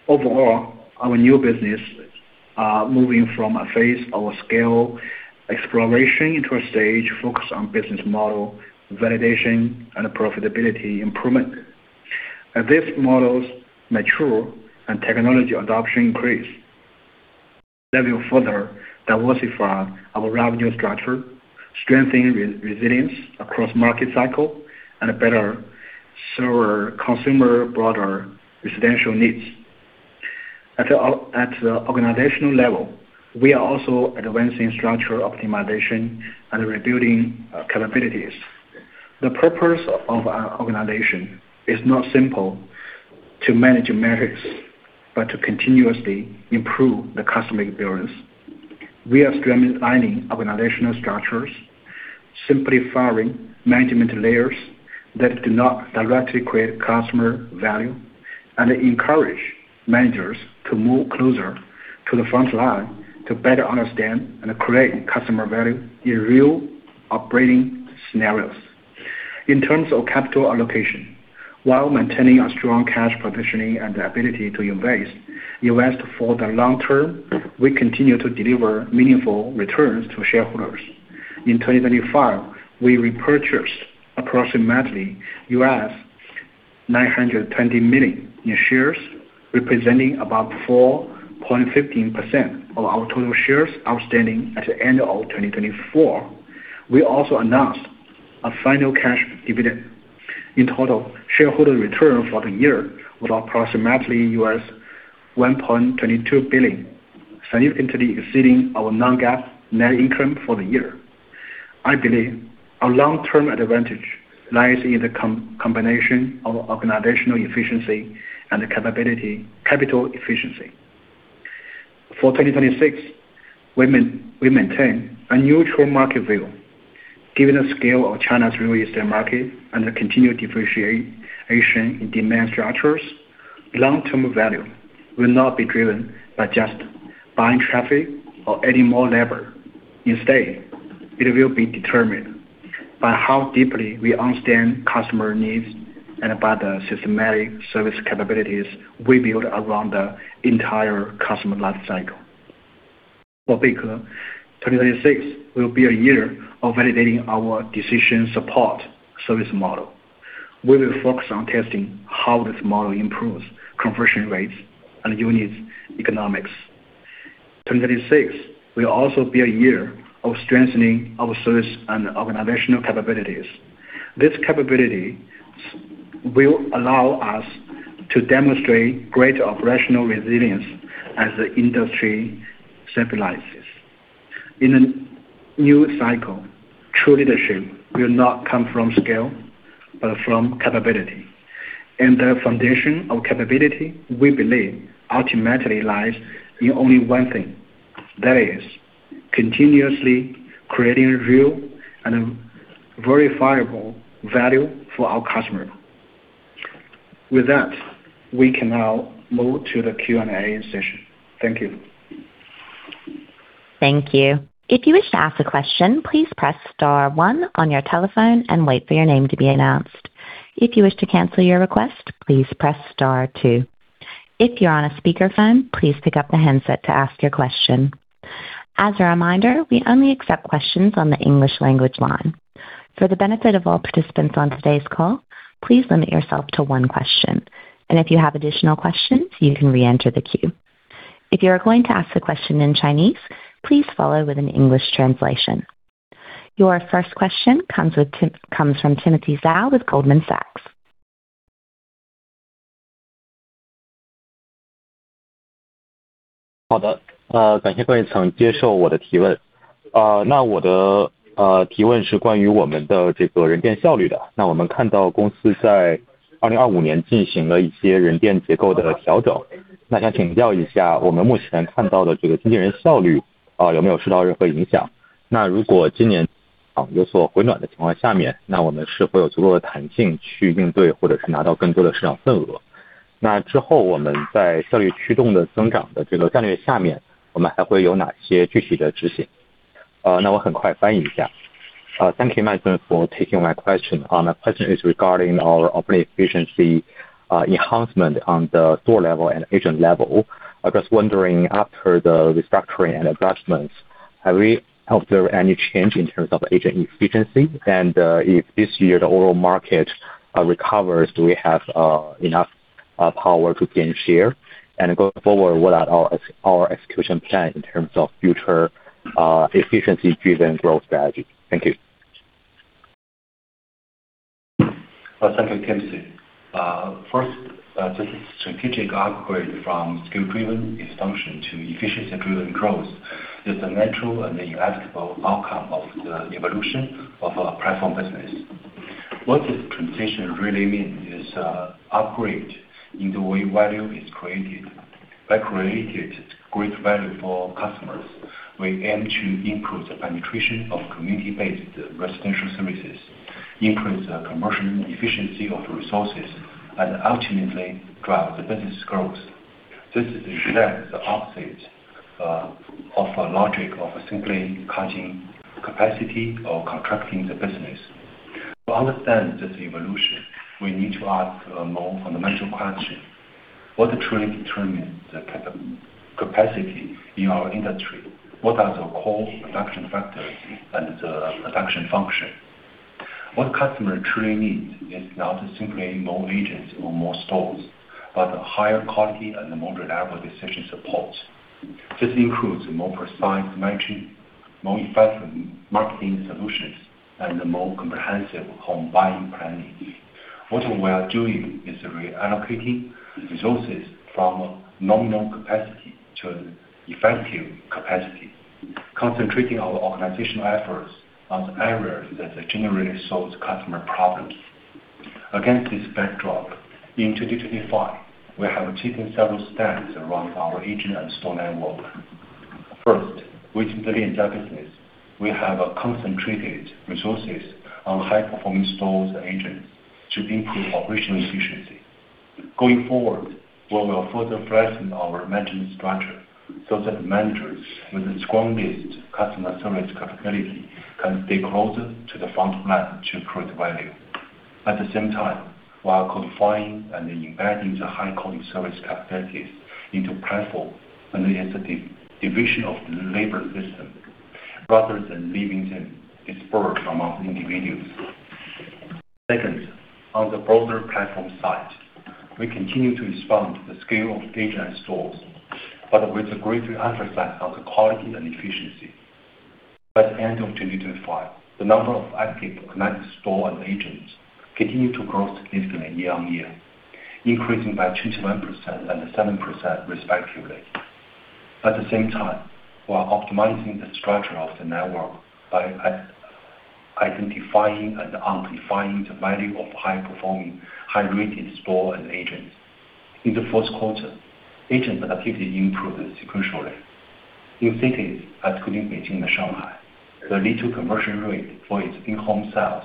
Overall, our new business are moving from a phase of scale exploration into a stage focused on business model validation and profitability improvement. As these models mature and technology adoption increase, that will further diversify our revenue structure, strengthening resilience across market cycle and better serve our consumer broader residential needs. At the organizational level, we are also advancing structural optimization and rebuilding capabilities. The purpose of our organization is not simple to manage metrics, but to continuously improve the customer experience. We are streamlining organizational structures, simplifying management layers that do not directly create customer value, and encourage managers to move closer to the front line to better understand and create customer value in real operating scenarios. In terms of capital allocation, while maintaining a strong cash positioning and the ability to invest for the long term, we continue to deliver meaningful returns to shareholders. In 2025, we repurchased approximately $920 million in shares, representing about 4.15% of our total shares outstanding at the end of 2024. We also announced a final cash dividend. In total, shareholder return for the year was approximately $1.22 billion, significantly exceeding our non-GAAP net income for the year. I believe our long-term advantage lies in the combination of organizational efficiency and capability, capital efficiency. For 2026, we maintain a neutral market view. Given the scale of China's real estate market and the continued differentiation in demand structures, long-term value will not be driven by just buying traffic or adding more labor. Instead, it will be determined by how deeply we understand customer needs and by the systematic service capabilities we build around the entire customer life cycle. For Beike, 2026 will be a year of validating our decision support service model. We will focus on testing how this model improves conversion rates and unit economics. 2026 will also be a year of strengthening our service and organizational capabilities. This capability will allow us to demonstrate greater operational resilience as the industry stabilizes. In a new cycle, true leadership will not come from scale, but from capability. The foundation of capability, we believe, ultimately lies in only one thing. That is continuously creating real and verifiable value for our customer. With that, we can now move to the Q&A session. Thank you. Thank you. If you wish to ask a question, please press star one on your telephone and wait for your name to be announced. If you wish to cancel your request, please press star two. If you're on a speaker phone, please pick up the handset to ask your question. As a reminder, we only accept questions on the English language line. For the benefit of all participants on today's call, please limit yourself to one question. If you have additional questions, you can re-enter the queue. If you are going to ask the question in Chinese, please follow with an English translation. Your first question comes from Timothy Zhao with Goldman Sachs. First, this strategic upgrade from scale-driven expansion to efficiency-driven growth is the natural and the inevitable outcome of the evolution of our platform business. What this transition really means is, upgrade in the way value is created. By creating great value for customers, we aim to improve the penetration of community-based residential services, increase the commercial efficiency of resources, and ultimately drive the business growth. This is exactly the opposite of a logic of simply cutting capacity or contracting the business. To understand this evolution, we need to ask a more fundamental question, what truly determines the capacity in our industry. What are the core production factors and the production function? What customer truly needs is not simply more agents or more stores, but higher quality and more reliable decision support. This includes more precise matching, more effective marketing solutions, and more comprehensive home buying planning. What we are doing is reallocating resources from nominal capacity to effective capacity, concentrating our organizational efforts on the areas that generally solves customer problems. Against this backdrop, in 2025, we have taken several steps around our agent and store network. First, with the lead business, we have concentrated resources on high-performing stores and agents to improve operational efficiency. Going forward, we will further flatten our management structure so that managers with the strongest customer service capability can stay closer to the front line to create value. At the same time, while codifying and embedding the high-quality service capacities into platform and as a division of labor system rather than leaving them dispersed among individuals. Second, on the broader platform side, we continue to expand the scale of agent stores, but with a greater emphasis on the quality and efficiency. By the end of 2025, the number of active connected store and agents continued to grow significantly year-over-year, increasing by 27% and 7% respectively. At the same time, while optimizing the structure of the network by identifying and amplifying the value of high-performing, high-rated store and agents. In the Q4, agents activity improved sequentially. In cities, including Beijing and Shanghai, the lead-to-conversion rate for its in-home sales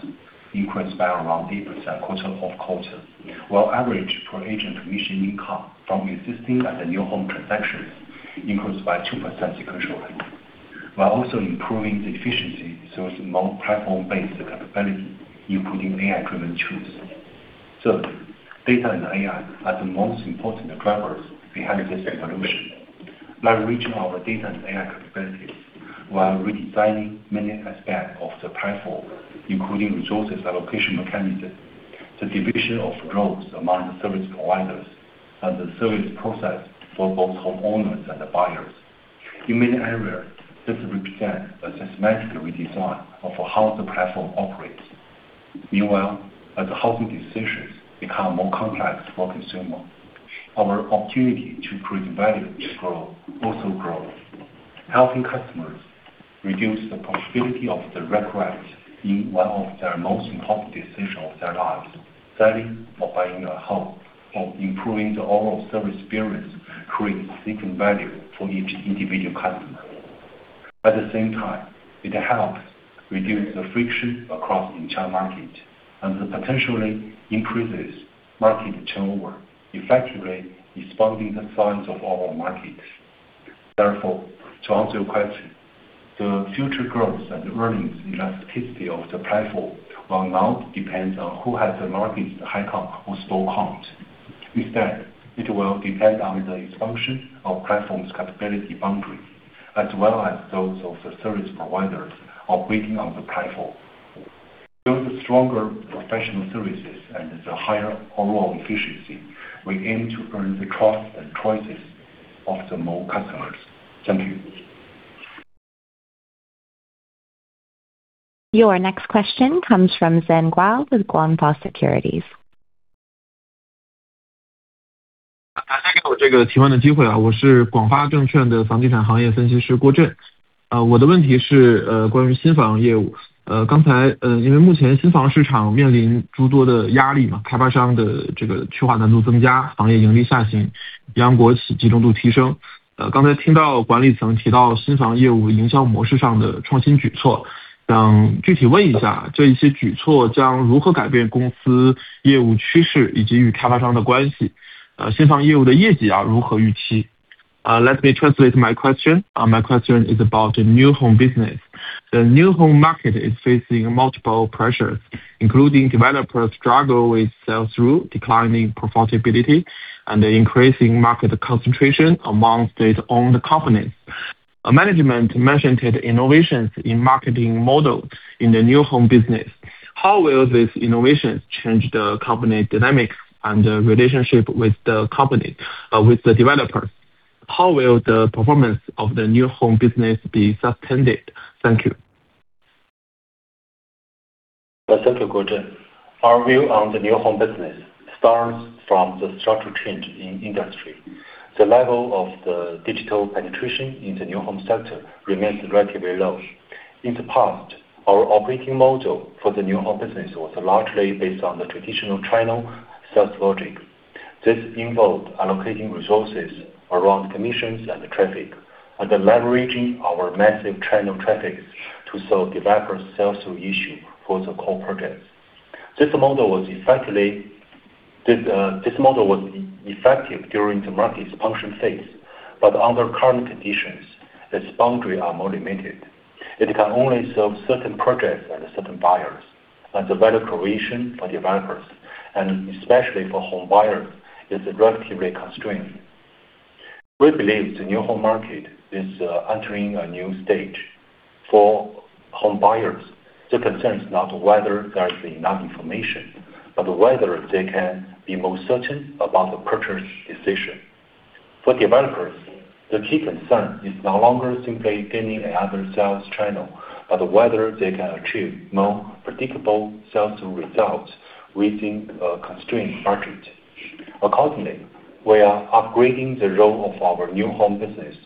increased by around 8% quarter-over-quarter, while average per agent commission income from existing and the new home transactions increased by 2% sequentially, while also improving the efficiency towards more platform-based capability, including AI-driven tools. Data and AI are the most important drivers behind this evolution. By reaching our data and AI capabilities, while redesigning many aspects of the platform, including resource allocation mechanism, the division of growth among the service providers and the service process for both homeowners and the buyers. In many areas, this represents a systematic redesign of how the platform operates. Meanwhile, as the housing decisions become more complex for consumers, our opportunity to create value grow. Helping customers reduce the possibility of regret in one of their most important decisions of their lives, selling or buying a home or improving the overall service experience creates seeking value for each individual customer. At the same time, it helps reduce the friction across the entire market and potentially increases market turnover, effectively responding to the signs of our market. Therefore, to answer your question, the future growth and earnings elasticity of the platform will not depend on who has the market, the higher count or store count. Instead, it will depend on the expansion of platform's capability boundary, as well as those of the service providers operating on the platform. Building stronger professional services and higher overall efficiency, we aim to earn the trust and choice of more customers. Thank you. Your next question comes from Zen Guo with Guangfa Securities. Let me translate my question. My question is about the new home business. The new home market is facing multiple pressures, including developers struggling with sales through declining profitability and the increasing market concentration among state-owned companies. Management mentioned innovations in marketing models in the new home business. How will this innovation change the company dynamics and the relationship with the developers? How will the performance of the new home business be sustained? Thank you. Thank you, Zen. Our view on the new home business starts from the structural change in industry. The level of the digital penetration in the new home sector remains relatively low. In the past, our operating model for the new home business was largely based on the traditional channel sales logic. This involved allocating resources around commissions and traffic and then leveraging our massive channel traffic to solve developers' sales issue for the core projects. This model was effective during the market's function phase, but under current conditions, its boundary are more limited. It can only serve certain projects and certain buyers, and the value creation for developers, and especially for home buyers, is relatively constrained. We believe the new home market is entering a new stage. For home buyers, the concern is not whether there is enough information, but whether they can be more certain about the purchase decision. For developers, the key concern is no longer simply gaining another sales channel, but whether they can achieve more predictable sales results within a constrained budget. Accordingly, we are upgrading the role of our new home business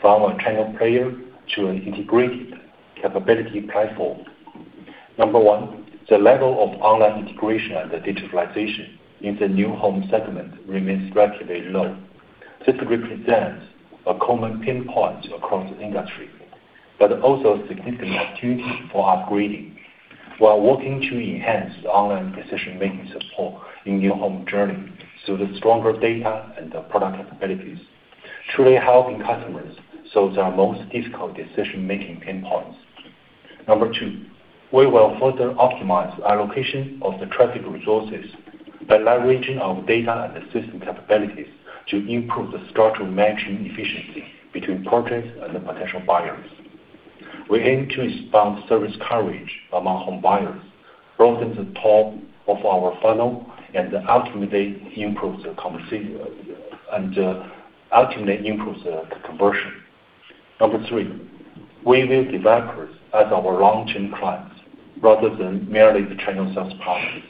from a channel player to an integrated capability platform. Number one, the level of online integration and the digitalization in the new home segment remains relatively low. This represents a common pain point across the industry, but also a significant opportunity for upgrading. We are working to enhance online decision-making support in new home journey through the stronger data and the product capabilities, truly helping customers solve their most difficult decision-making pain points. Number two, we will further optimize allocation of the traffic resources by leveraging our data and system capabilities to improve the structural matching efficiency between projects and the potential buyers. We aim to expand service coverage among home buyers, both at the top of our funnel and ultimately improve the conversion. Number three, we view developers as our long-term clients rather than merely the channel sales partners.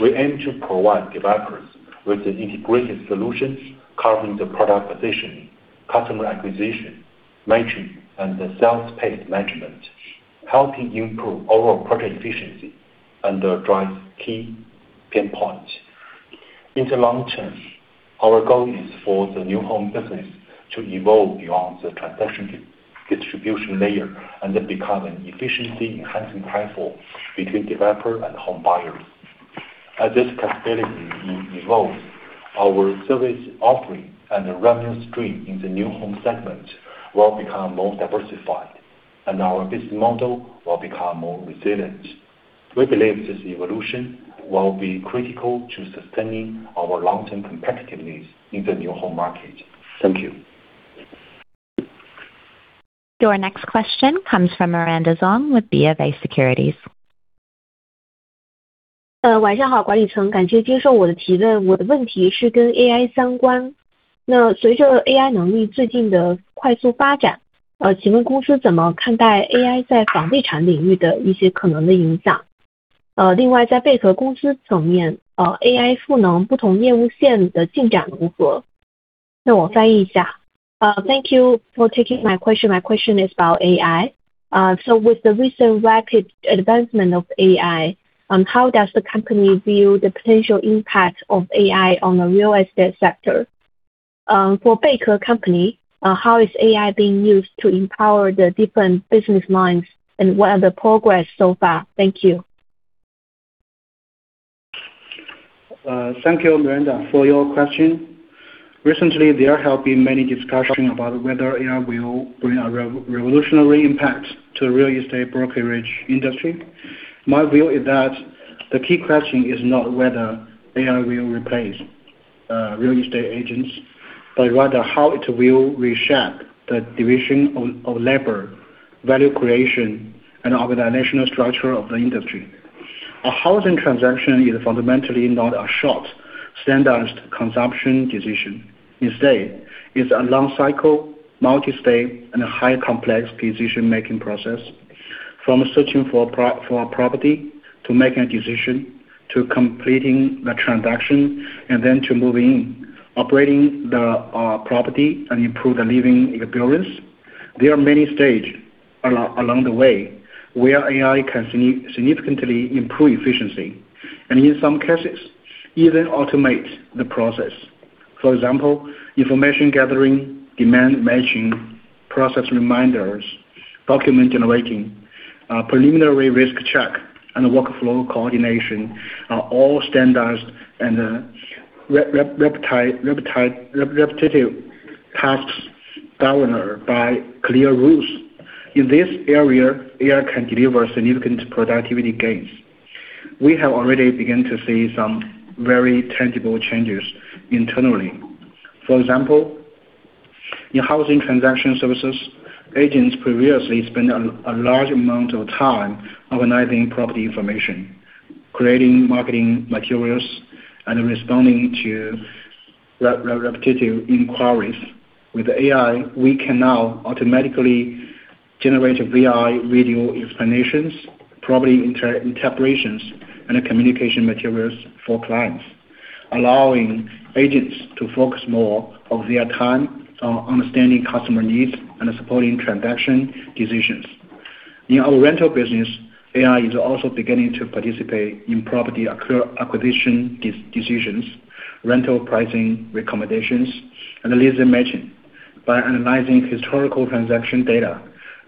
We aim to provide developers with the integrated solutions covering the product positioning, customer acquisition, matching, and the sales pace management, helping improve overall project efficiency and address key pain points. In the long term, our goal is for the new home business to evolve beyond the transaction distribution layer and then become an efficiency-enhancing platform between developer and home buyers. As this capability evolves, our service offering and the revenue stream in the new home segment will become more diversified, and our business model will become more resilient. We believe this evolution will be critical to sustaining our long-term competitiveness in the new home market. Thank you. Your next question comes from Miranda Zhuang with BofA Securities. Thank you for taking my question. My question is about AI. With the recent rapid advancement of AI, how does the company view the potential impact of AI on the real estate sector? For Beike company, how is AI being used to empower the different business lines, and what are the progress so far? Thank you. Thank you, Miranda, for your question. Recently, there have been many discussions about whether AI will bring a revolutionary impact to real estate brokerage industry. My view is that the key question is not whether AI will replace real estate agents, but rather how it will reshape the division of labor, value creation, and organizational structure of the industry. A housing transaction is fundamentally not a short, standardized consumption decision. Instead, it's a long cycle, multi-stage, and a highly complex decision-making process. From searching for a property, to making a decision, to completing the transaction, and then to moving in, operating the property and improve the living experience. There are many stages along the way where AI can significantly improve efficiency, and in some cases, even automate the process. For example, information gathering, demand matching, process reminders, document generating, preliminary risk check, and workflow coordination are all standardized and repetitive tasks governed by clear rules. In this area, AI can deliver significant productivity gains. We have already begun to see some very tangible changes internally. For example, in housing transaction services, agents previously spend a large amount of time organizing property information, creating marketing materials, and responding to repetitive inquiries. With AI, we can now automatically generate AI video explanations, property interpretations, and the communication materials for clients, allowing agents to focus more of their time on understanding customer needs and supporting transaction decisions. In our rental business, AI is also beginning to participate in property acquisition decisions, rental pricing recommendations, and leasing matching. By analyzing historical transaction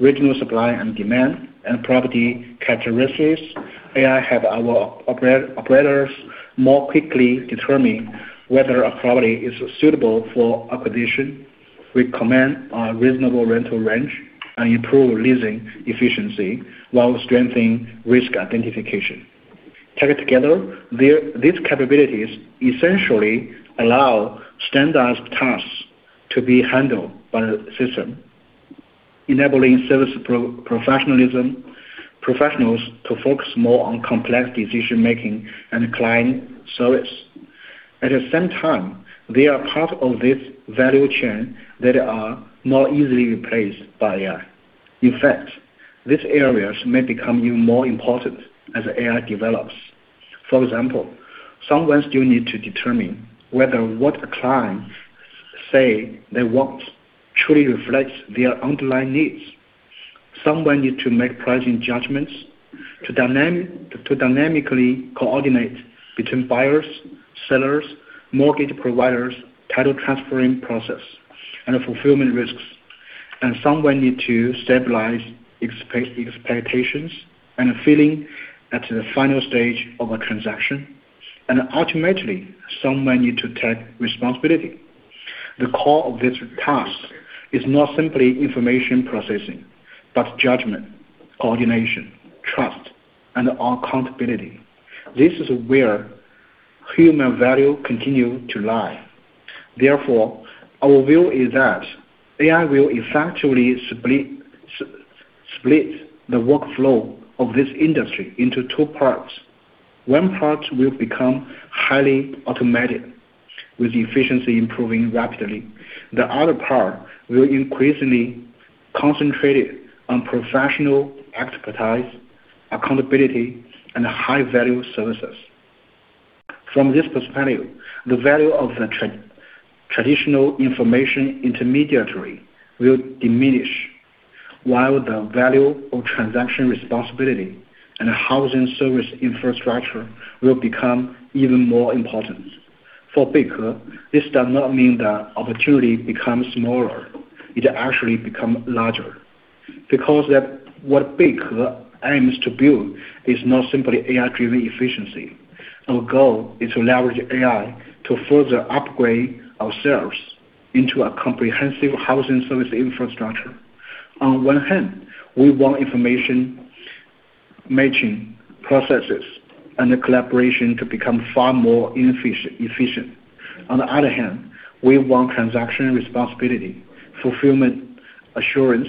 data, regional supply and demand, and property characteristics, AI helps our operators more quickly determine whether a property is suitable for acquisition, recommend a reasonable rental range, and improve leasing efficiency while strengthening risk identification. Take it together, these capabilities essentially allow standardized tasks to be handled by the system, enabling service professionals to focus more on complex decision-making and client service. At the same time, they are part of this value chain that are not easily replaced by AI. In fact, these areas may become even more important as AI develops. For example, someone still need to determine whether what a client say they want truly reflects their underlying needs. Someone need to make pricing judgments to dynamically coordinate between buyers, sellers, mortgage providers, title transferring process, and fulfillment risks. Someone need to stabilize expectations and feeling at the final stage of a transaction. Ultimately, someone need to take responsibility. The core of this task is not simply information processing, but judgment, coordination, trust, and accountability. This is where human value continue to lie. Therefore, our view is that AI will effectively split the workflow of this industry into two parts. One part will become highly automatic, with efficiency improving rapidly. The other part will increasingly concentrated on professional expertise, accountability, and high-value services. From this perspective, the value of the traditional information intermediary will diminish, while the value of transaction responsibility and housing service infrastructure will become even more important. For Beike, this does not mean that opportunity becomes smaller. It actually become larger. Because what Beike aims to build is not simply AI-driven efficiency. Our goal is to leverage AI to further upgrade ourselves into a comprehensive housing service infrastructure. On one hand, we want information matching processes and the collaboration to become far more efficient. On the other hand, we want transaction responsibility, fulfillment assurance,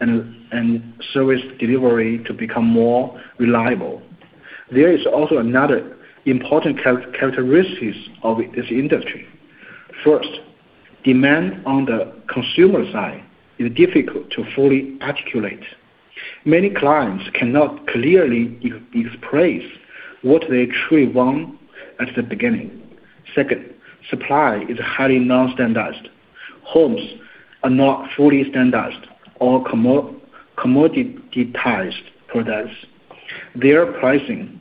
and service delivery to become more reliable. There is also another important characteristics of this industry. First, demand on the consumer side is difficult to fully articulate. Many clients cannot clearly express what they truly want at the beginning. Second, supply is highly non-standardized. Homes are not fully standardized or commoditized products. Their pricing,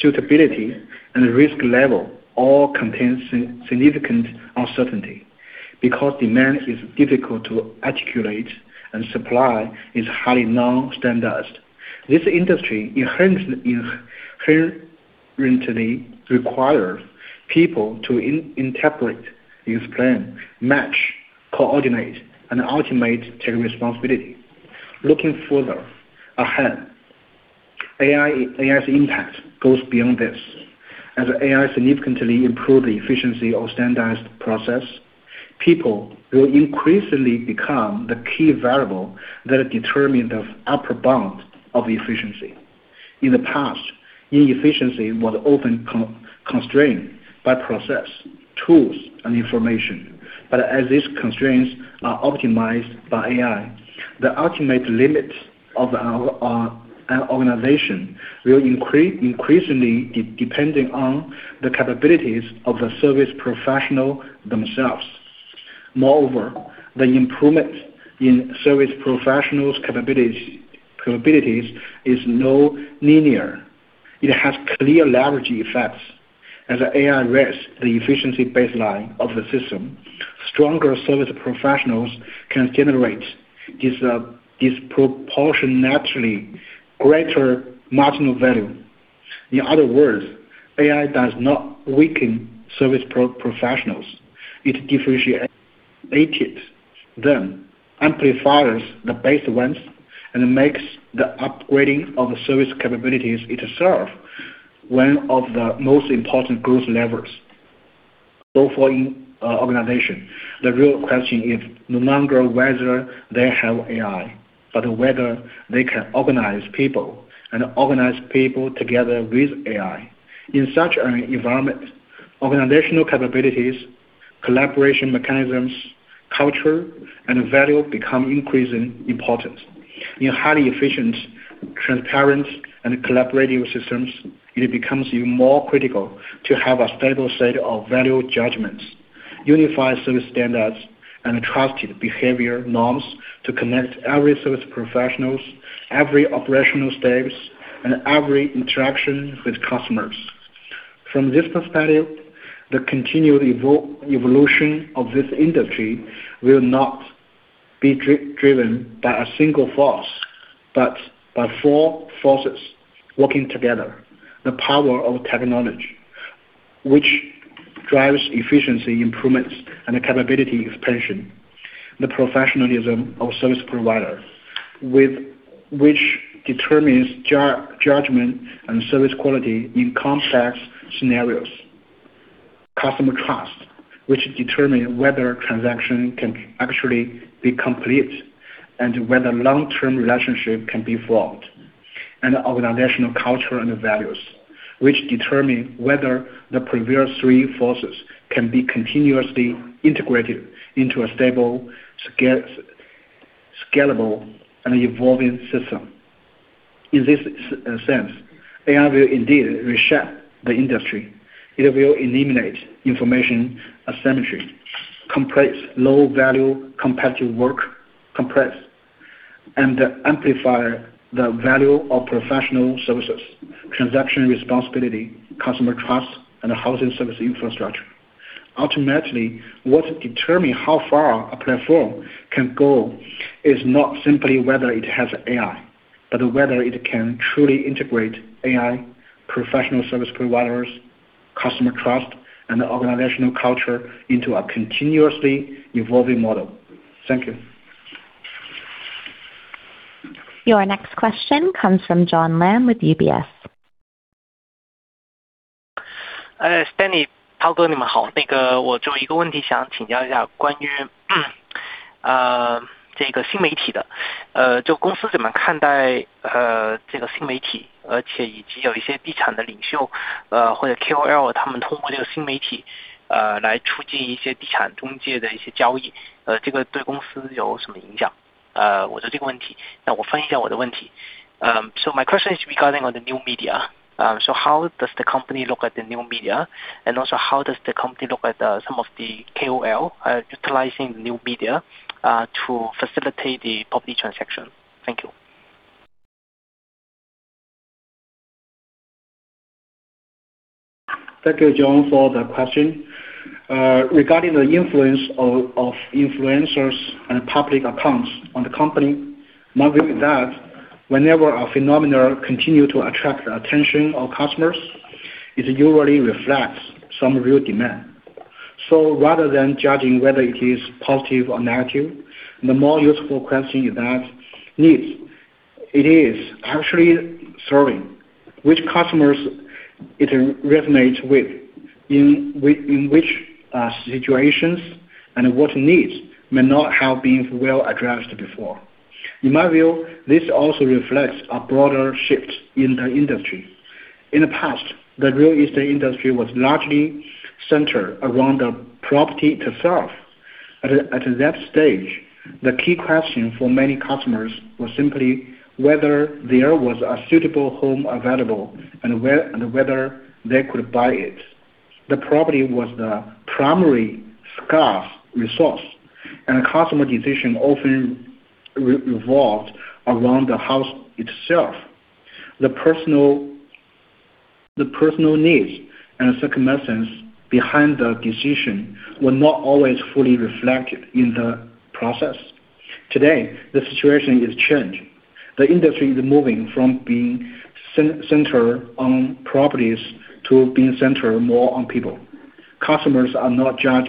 suitability, and risk level all contain significant uncertainty. Because demand is difficult to articulate and supply is highly non-standardized, this industry inherently requires people to interpret, explain, match, coordinate, and ultimately take responsibility. Looking further ahead, AI's impact goes beyond this. As AI significantly improve the efficiency of standardized process, people will increasingly become the key variable that determine the upper bound of efficiency. In the past, inefficiency was often constrained by process, tools, and information. As these constraints are optimized by AI, the ultimate limit of our organization will increasingly depending on the capabilities of the service professional themselves. Moreover, the improvement in service professionals capabilities is not linear. It has clear leveraging effects. As AI raises the efficiency baseline of the system, stronger service professionals can generate disproportionately greater marginal value. In other words, AI does not weaken service professionals. It differentiates them, amplifies the best ones, and makes the upgrading of the service capabilities itself one of the most important growth levers. For organization, the real question is no longer whether they have AI, but whether they can organize people together with AI. In such an environment, organizational capabilities, collaboration mechanisms, culture, and value become increasingly important. In highly efficient, transparent, and collaborating systems, it becomes even more critical to have a stable set of value judgments, unified service standards, and trusted behavior norms to connect every service professionals, every operational steps, and every interaction with customers. From this perspective, the continued evolution of this industry will not be driven by a single force, but by four forces working together: the power of technology, which drives efficiency improvements and capability expansion. The professionalism of service provider, with which determines judgment and service quality in complex scenarios. Customer trust, which determine whether transaction can actually be complete and whether long-term relationship can be formed. Organizational culture and values, which determine whether the previous three forces can be continuously integrated into a stable, scalable, and evolving system. In this sense, AI will indeed reshape the industry. It will eliminate information asymmetry, compress low value competitive work, compress and amplify the value of professional services, transaction responsibility, customer trust, and housing service infrastructure. Ultimately, what determine how far a platform can go is not simply whether it has AI, but whether it can truly integrate AI, professional service providers, customer trust, and organizational culture into a continuously evolving model. Thank you. Your next question comes from John Lam with UBS. Stanley, my question is regarding the new media. How does the company look at the new media? Also how does the company look at some of the KOL utilizing new media to facilitate the property transaction? Thank you. Thank you, John, for the question. Regarding the influence of influencers and public accounts on the company. My view is that whenever a phenomenon continues to attract the attention of customers, it usually reflects some real demand. Rather than judging whether it is positive or negative, the more useful question is which needs it is actually serving, which customers it resonates with, in which situations and what needs may not have been well addressed before. In my view, this also reflects a broader shift in the industry. In the past, the real estate industry was largely centered around the property itself. At that stage, the key question for many customers was simply whether there was a suitable home available and whether they could buy it. The property was the primary scarce resource, and customer decisions often revolved around the house itself. The personal needs and circumstances behind the decision were not always fully reflected in the process. Today, the situation is changed. The industry is moving from being centered on properties to being centered more on people. Customers are not just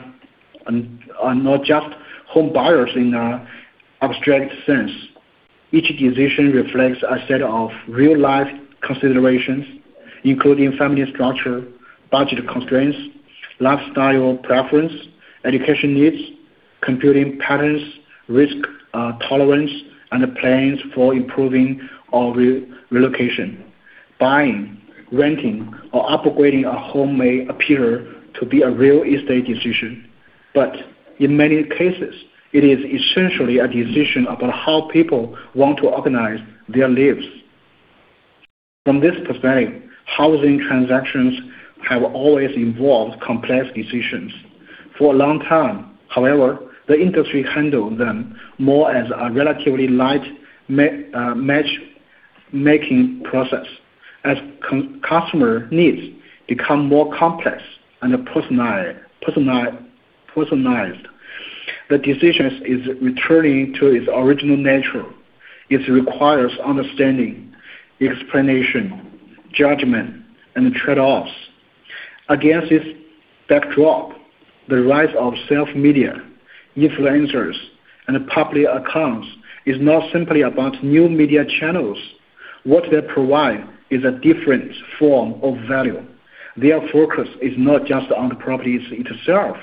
home buyers in an abstract sense. Each decision reflects a set of real-life considerations, including family structure, budget constraints, lifestyle preference, education needs, commuting patterns, risk tolerance, and plans for improving or relocation. Buying, renting, or upgrading a home may appear to be a real estate decision, but in many cases, it is essentially a decision about how people want to organize their lives. From this perspective, housing transactions have always involved complex decisions. For a long time, however, the industry handled them more as a relatively light matchmaking process. As customer needs become more complex and personalized, the decision is returning to its original nature. It requires understanding, explanation, judgment, and trade-offs. Against this backdrop, the rise of self media, influencers, and public accounts is not simply about new media channels. What they provide is a different form of value. Their focus is not just on the property itself,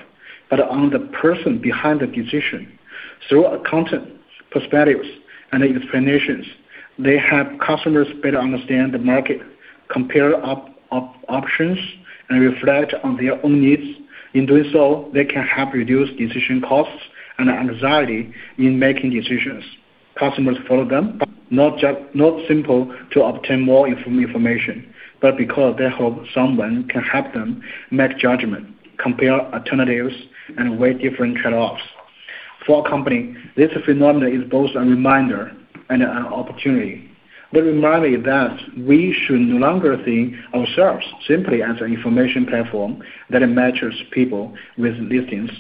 but on the person behind the decision. Through content, perspectives, and explanations, they help customers better understand the market, compare options, and reflect on their own needs. In doing so, they can help reduce decision costs and anxiety in making decisions. Customers follow them, but not just to obtain more information, but because they hope someone can help them make judgment, compare alternatives, and weigh different trade-offs. For a company, this phenomenon is both a reminder and an opportunity. The reminder that we should no longer think ourselves simply as an information platform that matches people with listings.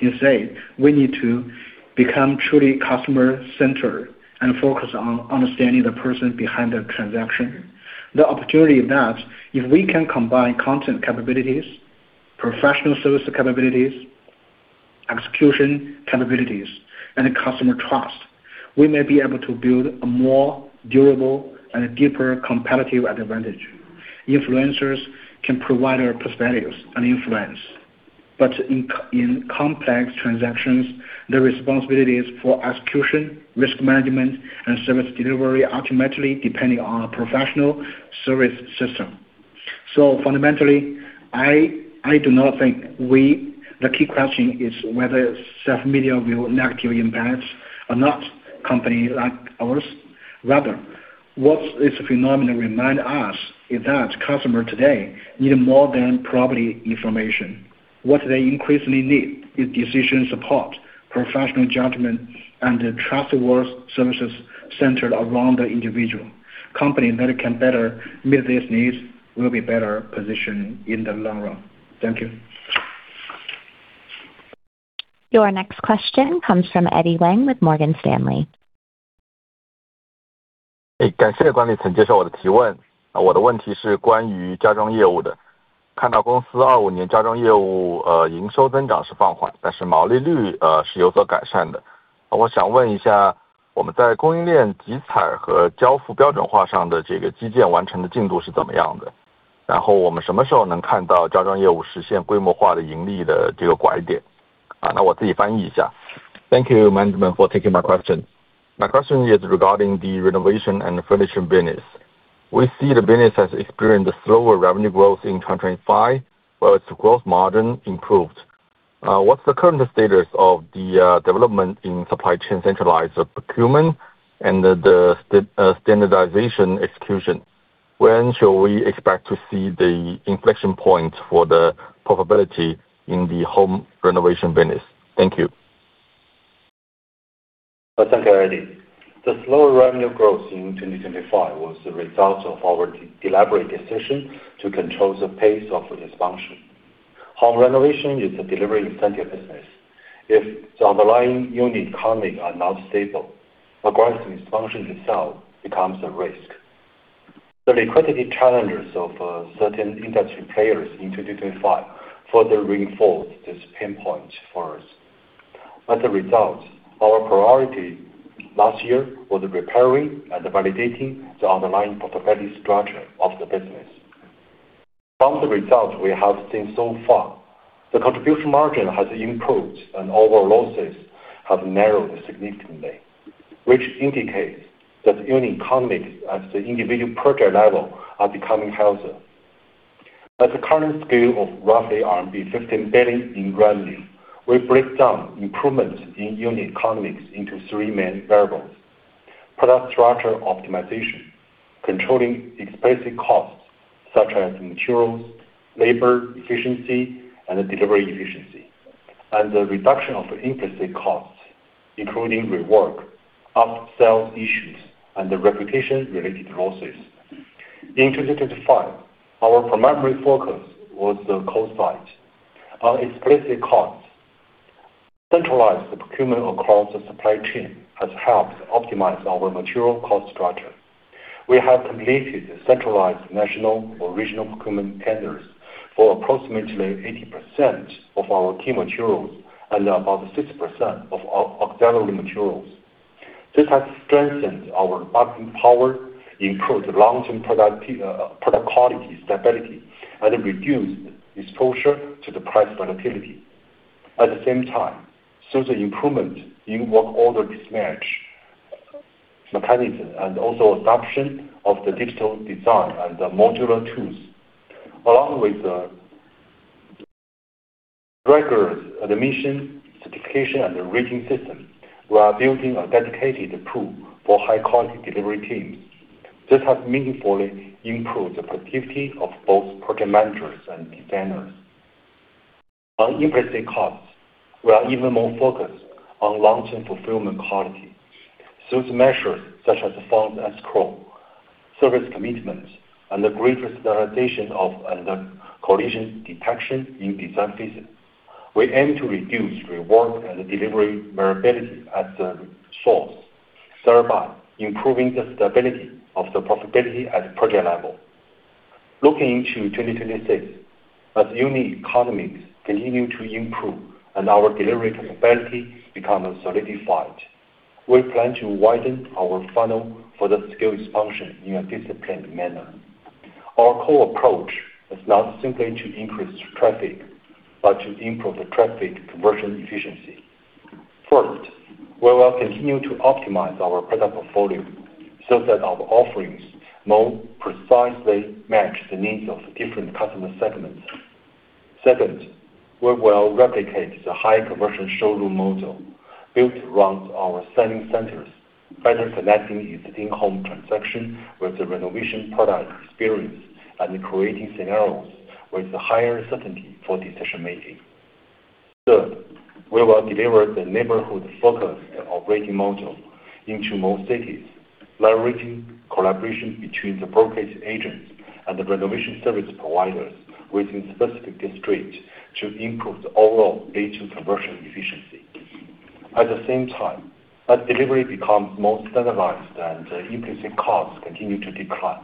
You say we need to become truly customer-centered and focus on understanding the person behind the transaction. The opportunity is that if we can combine content capabilities, professional service capabilities, execution capabilities, and customer trust, we may be able to build a more durable and deeper competitive advantage. Influencers can provide our perspectives and influence. In complex transactions, the responsibilities for execution, risk management, and service delivery ultimately depend on a professional service system. Fundamentally, I do not think. The key question is whether self media will negatively impact, or not, a company like ours. Rather, what this phenomenon reminds us is that customers today need more than property information. What they increasingly need is decision support, professional judgment, and trusted work services centered around the individual. Companies that can better meet these needs will be better positioned in the long run. Thank you. Your next question comes from Eddy Wang with Morgan Stanley. Thank you management for taking my question. My question is regarding the renovation and furnishing business. We see the business has experienced slower revenue growth in 2025, but its gross margin improved. What's the current status of the development in supply chain centralized procurement and the standardization execution? When shall we expect to see the inflection point for the profitability in the home renovation business? Thank you. Thank you, Eddy. The slower revenue growth in 2025 was the result of our deliberate decision to control the pace of expansion. Home renovation is a delivery-intensive business. If the underlying unit economics are not stable, aggressive expansion itself becomes a risk. The liquidity challenges of certain industry players in 2025 further reinforced this pain point for us. As a result, our priority last year was repairing and validating the underlying profitability structure of the business. From the results we have seen so far, the contribution margin has improved and overall losses have narrowed significantly, which indicates that unit economics at the individual project level are becoming healthier. At the current scale of roughly RMB 15 billion in revenue, we break down improvements in unit economics into three main variables. Product structure optimization, controlling explicit costs such as materials, labor efficiency and delivery efficiency, and the reduction of implicit costs, including rework, up-sell issues, and the reputation-related losses. In 2025, our primary focus was the cost side. On explicit costs, centralized procurement across the supply chain has helped optimize our material cost structure. We have completed the centralized national or regional procurement tenders for approximately 80% of our key materials and about 60% of our auxiliary materials. This has strengthened our buying power, improved long-term product quality stability, and reduced exposure to the price volatility. At the same time, substantial improvement in work order dispatch mechanism and also adoption of the digital design and the modular tools, along with the records, admission, certification, and the rating system, we are building a dedicated tool for high-quality delivery teams. This has meaningfully improved the productivity of both project managers and designers. On implicit costs, we are even more focused on long-term fulfillment quality. Through the measures such as the fund escrow, service commitments, and the greater standardization of and the collision detection in design phase. We aim to reduce rework and delivery variability at the source, thereby improving the stability of the profitability at project level. Looking into 2026, as unit economics continue to improve and our delivery capability become solidified, we plan to widen our funnel for the scale expansion in a disciplined manner. Our core approach is not simply to increase traffic, but to improve the traffic conversion efficiency. First, we will continue to optimize our product portfolio so that our offerings more precisely match the needs of different customer segments. Second, we will replicate the high conversion showroom model built around our selling centers, better connecting existing home transaction with the renovation product experience and creating scenarios with higher certainty for decision making. Third, we will deliver the neighborhood focus and operating model into more cities. Leveraging collaboration between the brokerage agents and the renovation service providers within specific constraints to improve the overall agent conversion efficiency. At the same time, as delivery becomes more standardized and increasing costs continue to decline,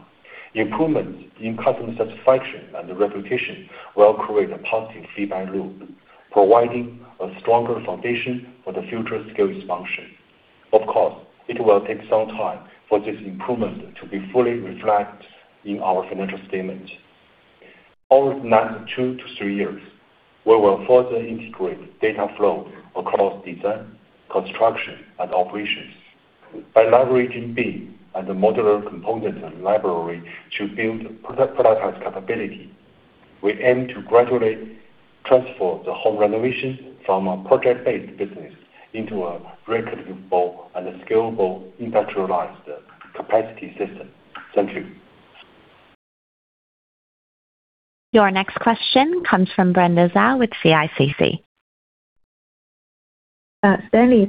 improvements in customer satisfaction and reputation will create a positive feedback loop, providing a stronger foundation for the future scale expansion. Of course, it will take some time for this improvement to be fully reflected in our financial statements. Over the next two to three years, we will further integrate data flow across design, construction, and operations. By leveraging BIM and the modular components and library to build productized capability, we aim to gradually transform the home renovation from a project-based business into a predictable and scalable industrialized capacity system. Thank you. Your next question comes from Brenda Zhao with CICC. Stanley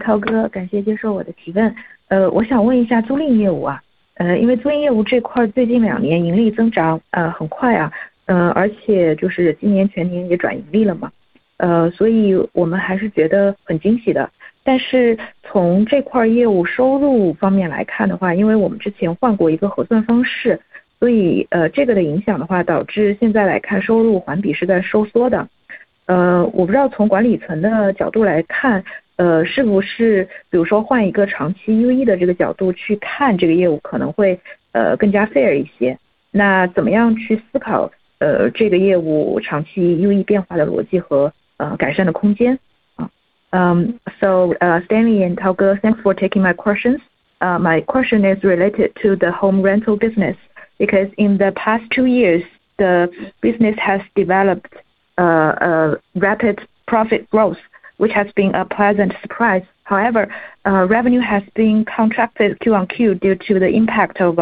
and Tao, thanks for taking my questions. My question is related to the home rental business, because in the past two years, the business has developed rapid profit growth, which has been a pleasant surprise. However, revenue has been contracted quarter-on-quarter due to the impact of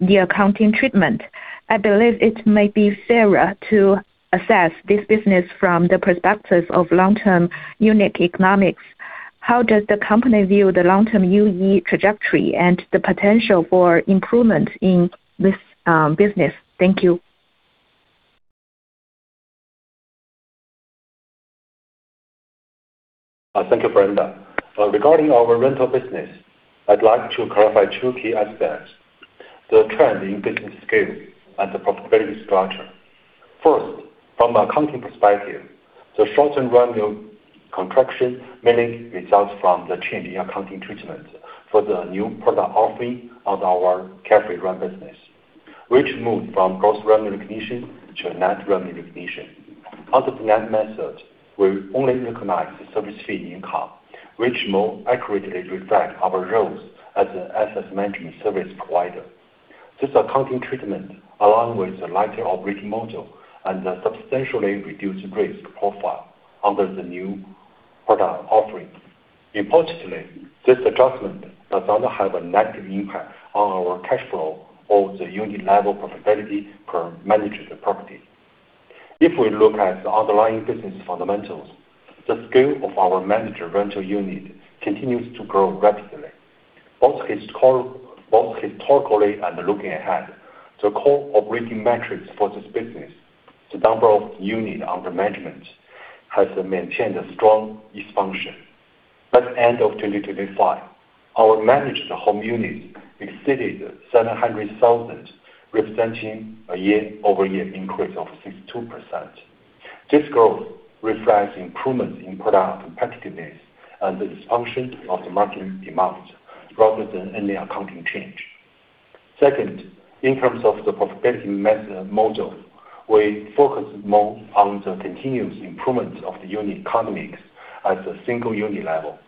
the accounting treatment. I believe it may be fairer to assess this business from the perspectives of long-term unit economics. How does the company view the long-term UE trajectory and the potential for improvement in this business? Thank you. Thank you, Brenda. Regarding our rental business, I'd like to clarify two key aspects, the trend in business scale and the profitability structure. First, from accounting perspective, the short-term revenue contraction mainly results from the change in accounting treatment for the new product offering of our Carefree Rent business, which moved from gross revenue recognition to a net revenue recognition. Under the net method, we only recognize the service fee income, which more accurately reflect our roles as an asset management service provider. This accounting treatment, along with the lighter operating model and a substantially reduced risk profile under the new product offering. Importantly, this adjustment does not have a negative impact on our cash flow or the unit level profitability per managed property. If we look at the underlying business fundamentals, the scale of our managed rental unit continues to grow rapidly. Both historically and looking ahead, the core operating metrics for this business, the number of units under management has maintained a strong expansion. At end of 2025, our managed home units exceeded 700,000, representing a year-over-year increase of 62%. This growth reflects improvements in product competitiveness and the expansion of the market demand rather than any accounting change. Second, in terms of the profitability model, we focus more on the continuous improvement of the unit economics at the single unit level.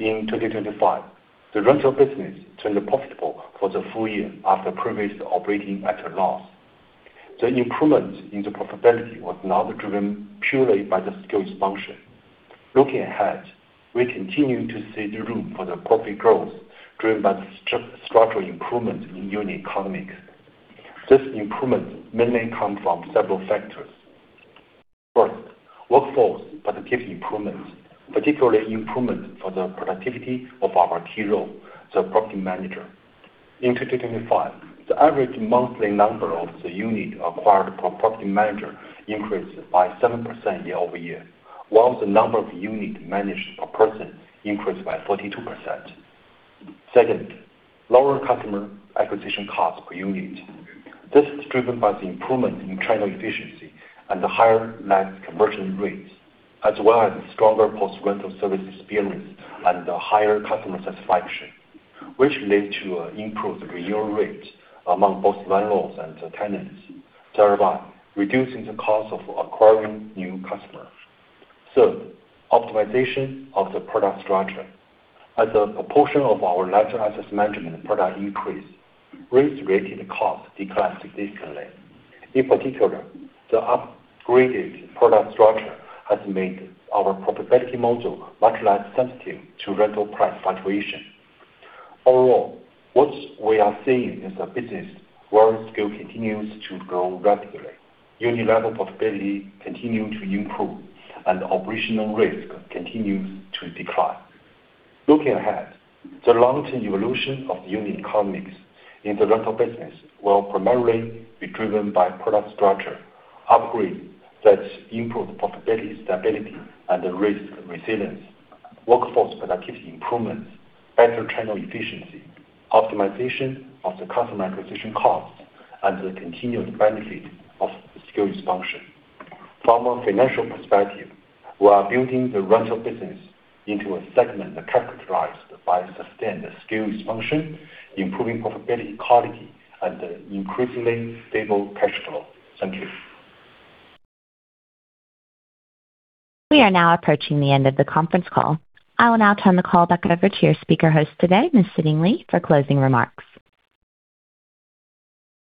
In 2025, the rental business turned profitable for the full year after previously operating at a loss. The improvement in the profitability was not driven purely by the scale expansion. Looking ahead, we continue to see the room for the profit growth driven by the structural improvement in unit economics. This improvement mainly come from several factors. First, workforce productivity improvements, particularly improvement for the productivity of our key role, the property manager. In 2025, the average monthly number of the unit acquired per property manager increased by 7% year-over-year, while the number of unit managed per person increased by 42%. Second, lower customer acquisition cost per unit. This is driven by the improvement in channel efficiency and the higher net conversion rates, as well as stronger post-rental service experience and a higher customer satisfaction, which lead to improved renewal rates among both landlords and the tenants, thereby reducing the cost of acquiring new customers. Third, optimization of the product structure. As a proportion of our lighter asset management product increase, risk-related costs decline significantly. In particular, the upgraded product structure has made our profitability model much less sensitive to rental price fluctuation. Overall, what we are seeing is a business where scale continues to grow rapidly, unit-level profitability continue to improve, and operational risk continues to decline. Looking ahead, the long-term evolution of unit economics in the rental business will primarily be driven by product structure, upgrade that improve profitability, stability and risk resilience, workforce productivity improvements, better channel efficiency, optimization of the customer acquisition costs, and the continued benefit of scale expansion. From a financial perspective, we are building the rental business into a segment characterized by sustained scale expansion, improving profitability quality, and increasingly stable cash flow. Thank you. We are now approaching the end of the conference call. I will now turn the call back over to your speaker host today, Ms. Siting Li, for closing remarks.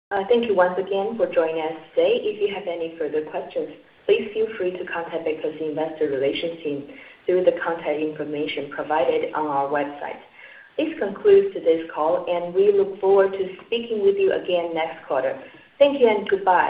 Thank you once again for joining us today. If you have any further questions, please feel free to contact Beike's investor relations team through the contact information provided on our website. This concludes today's call, and we look forward to speaking with you again next quarter. Thank you and goodbye.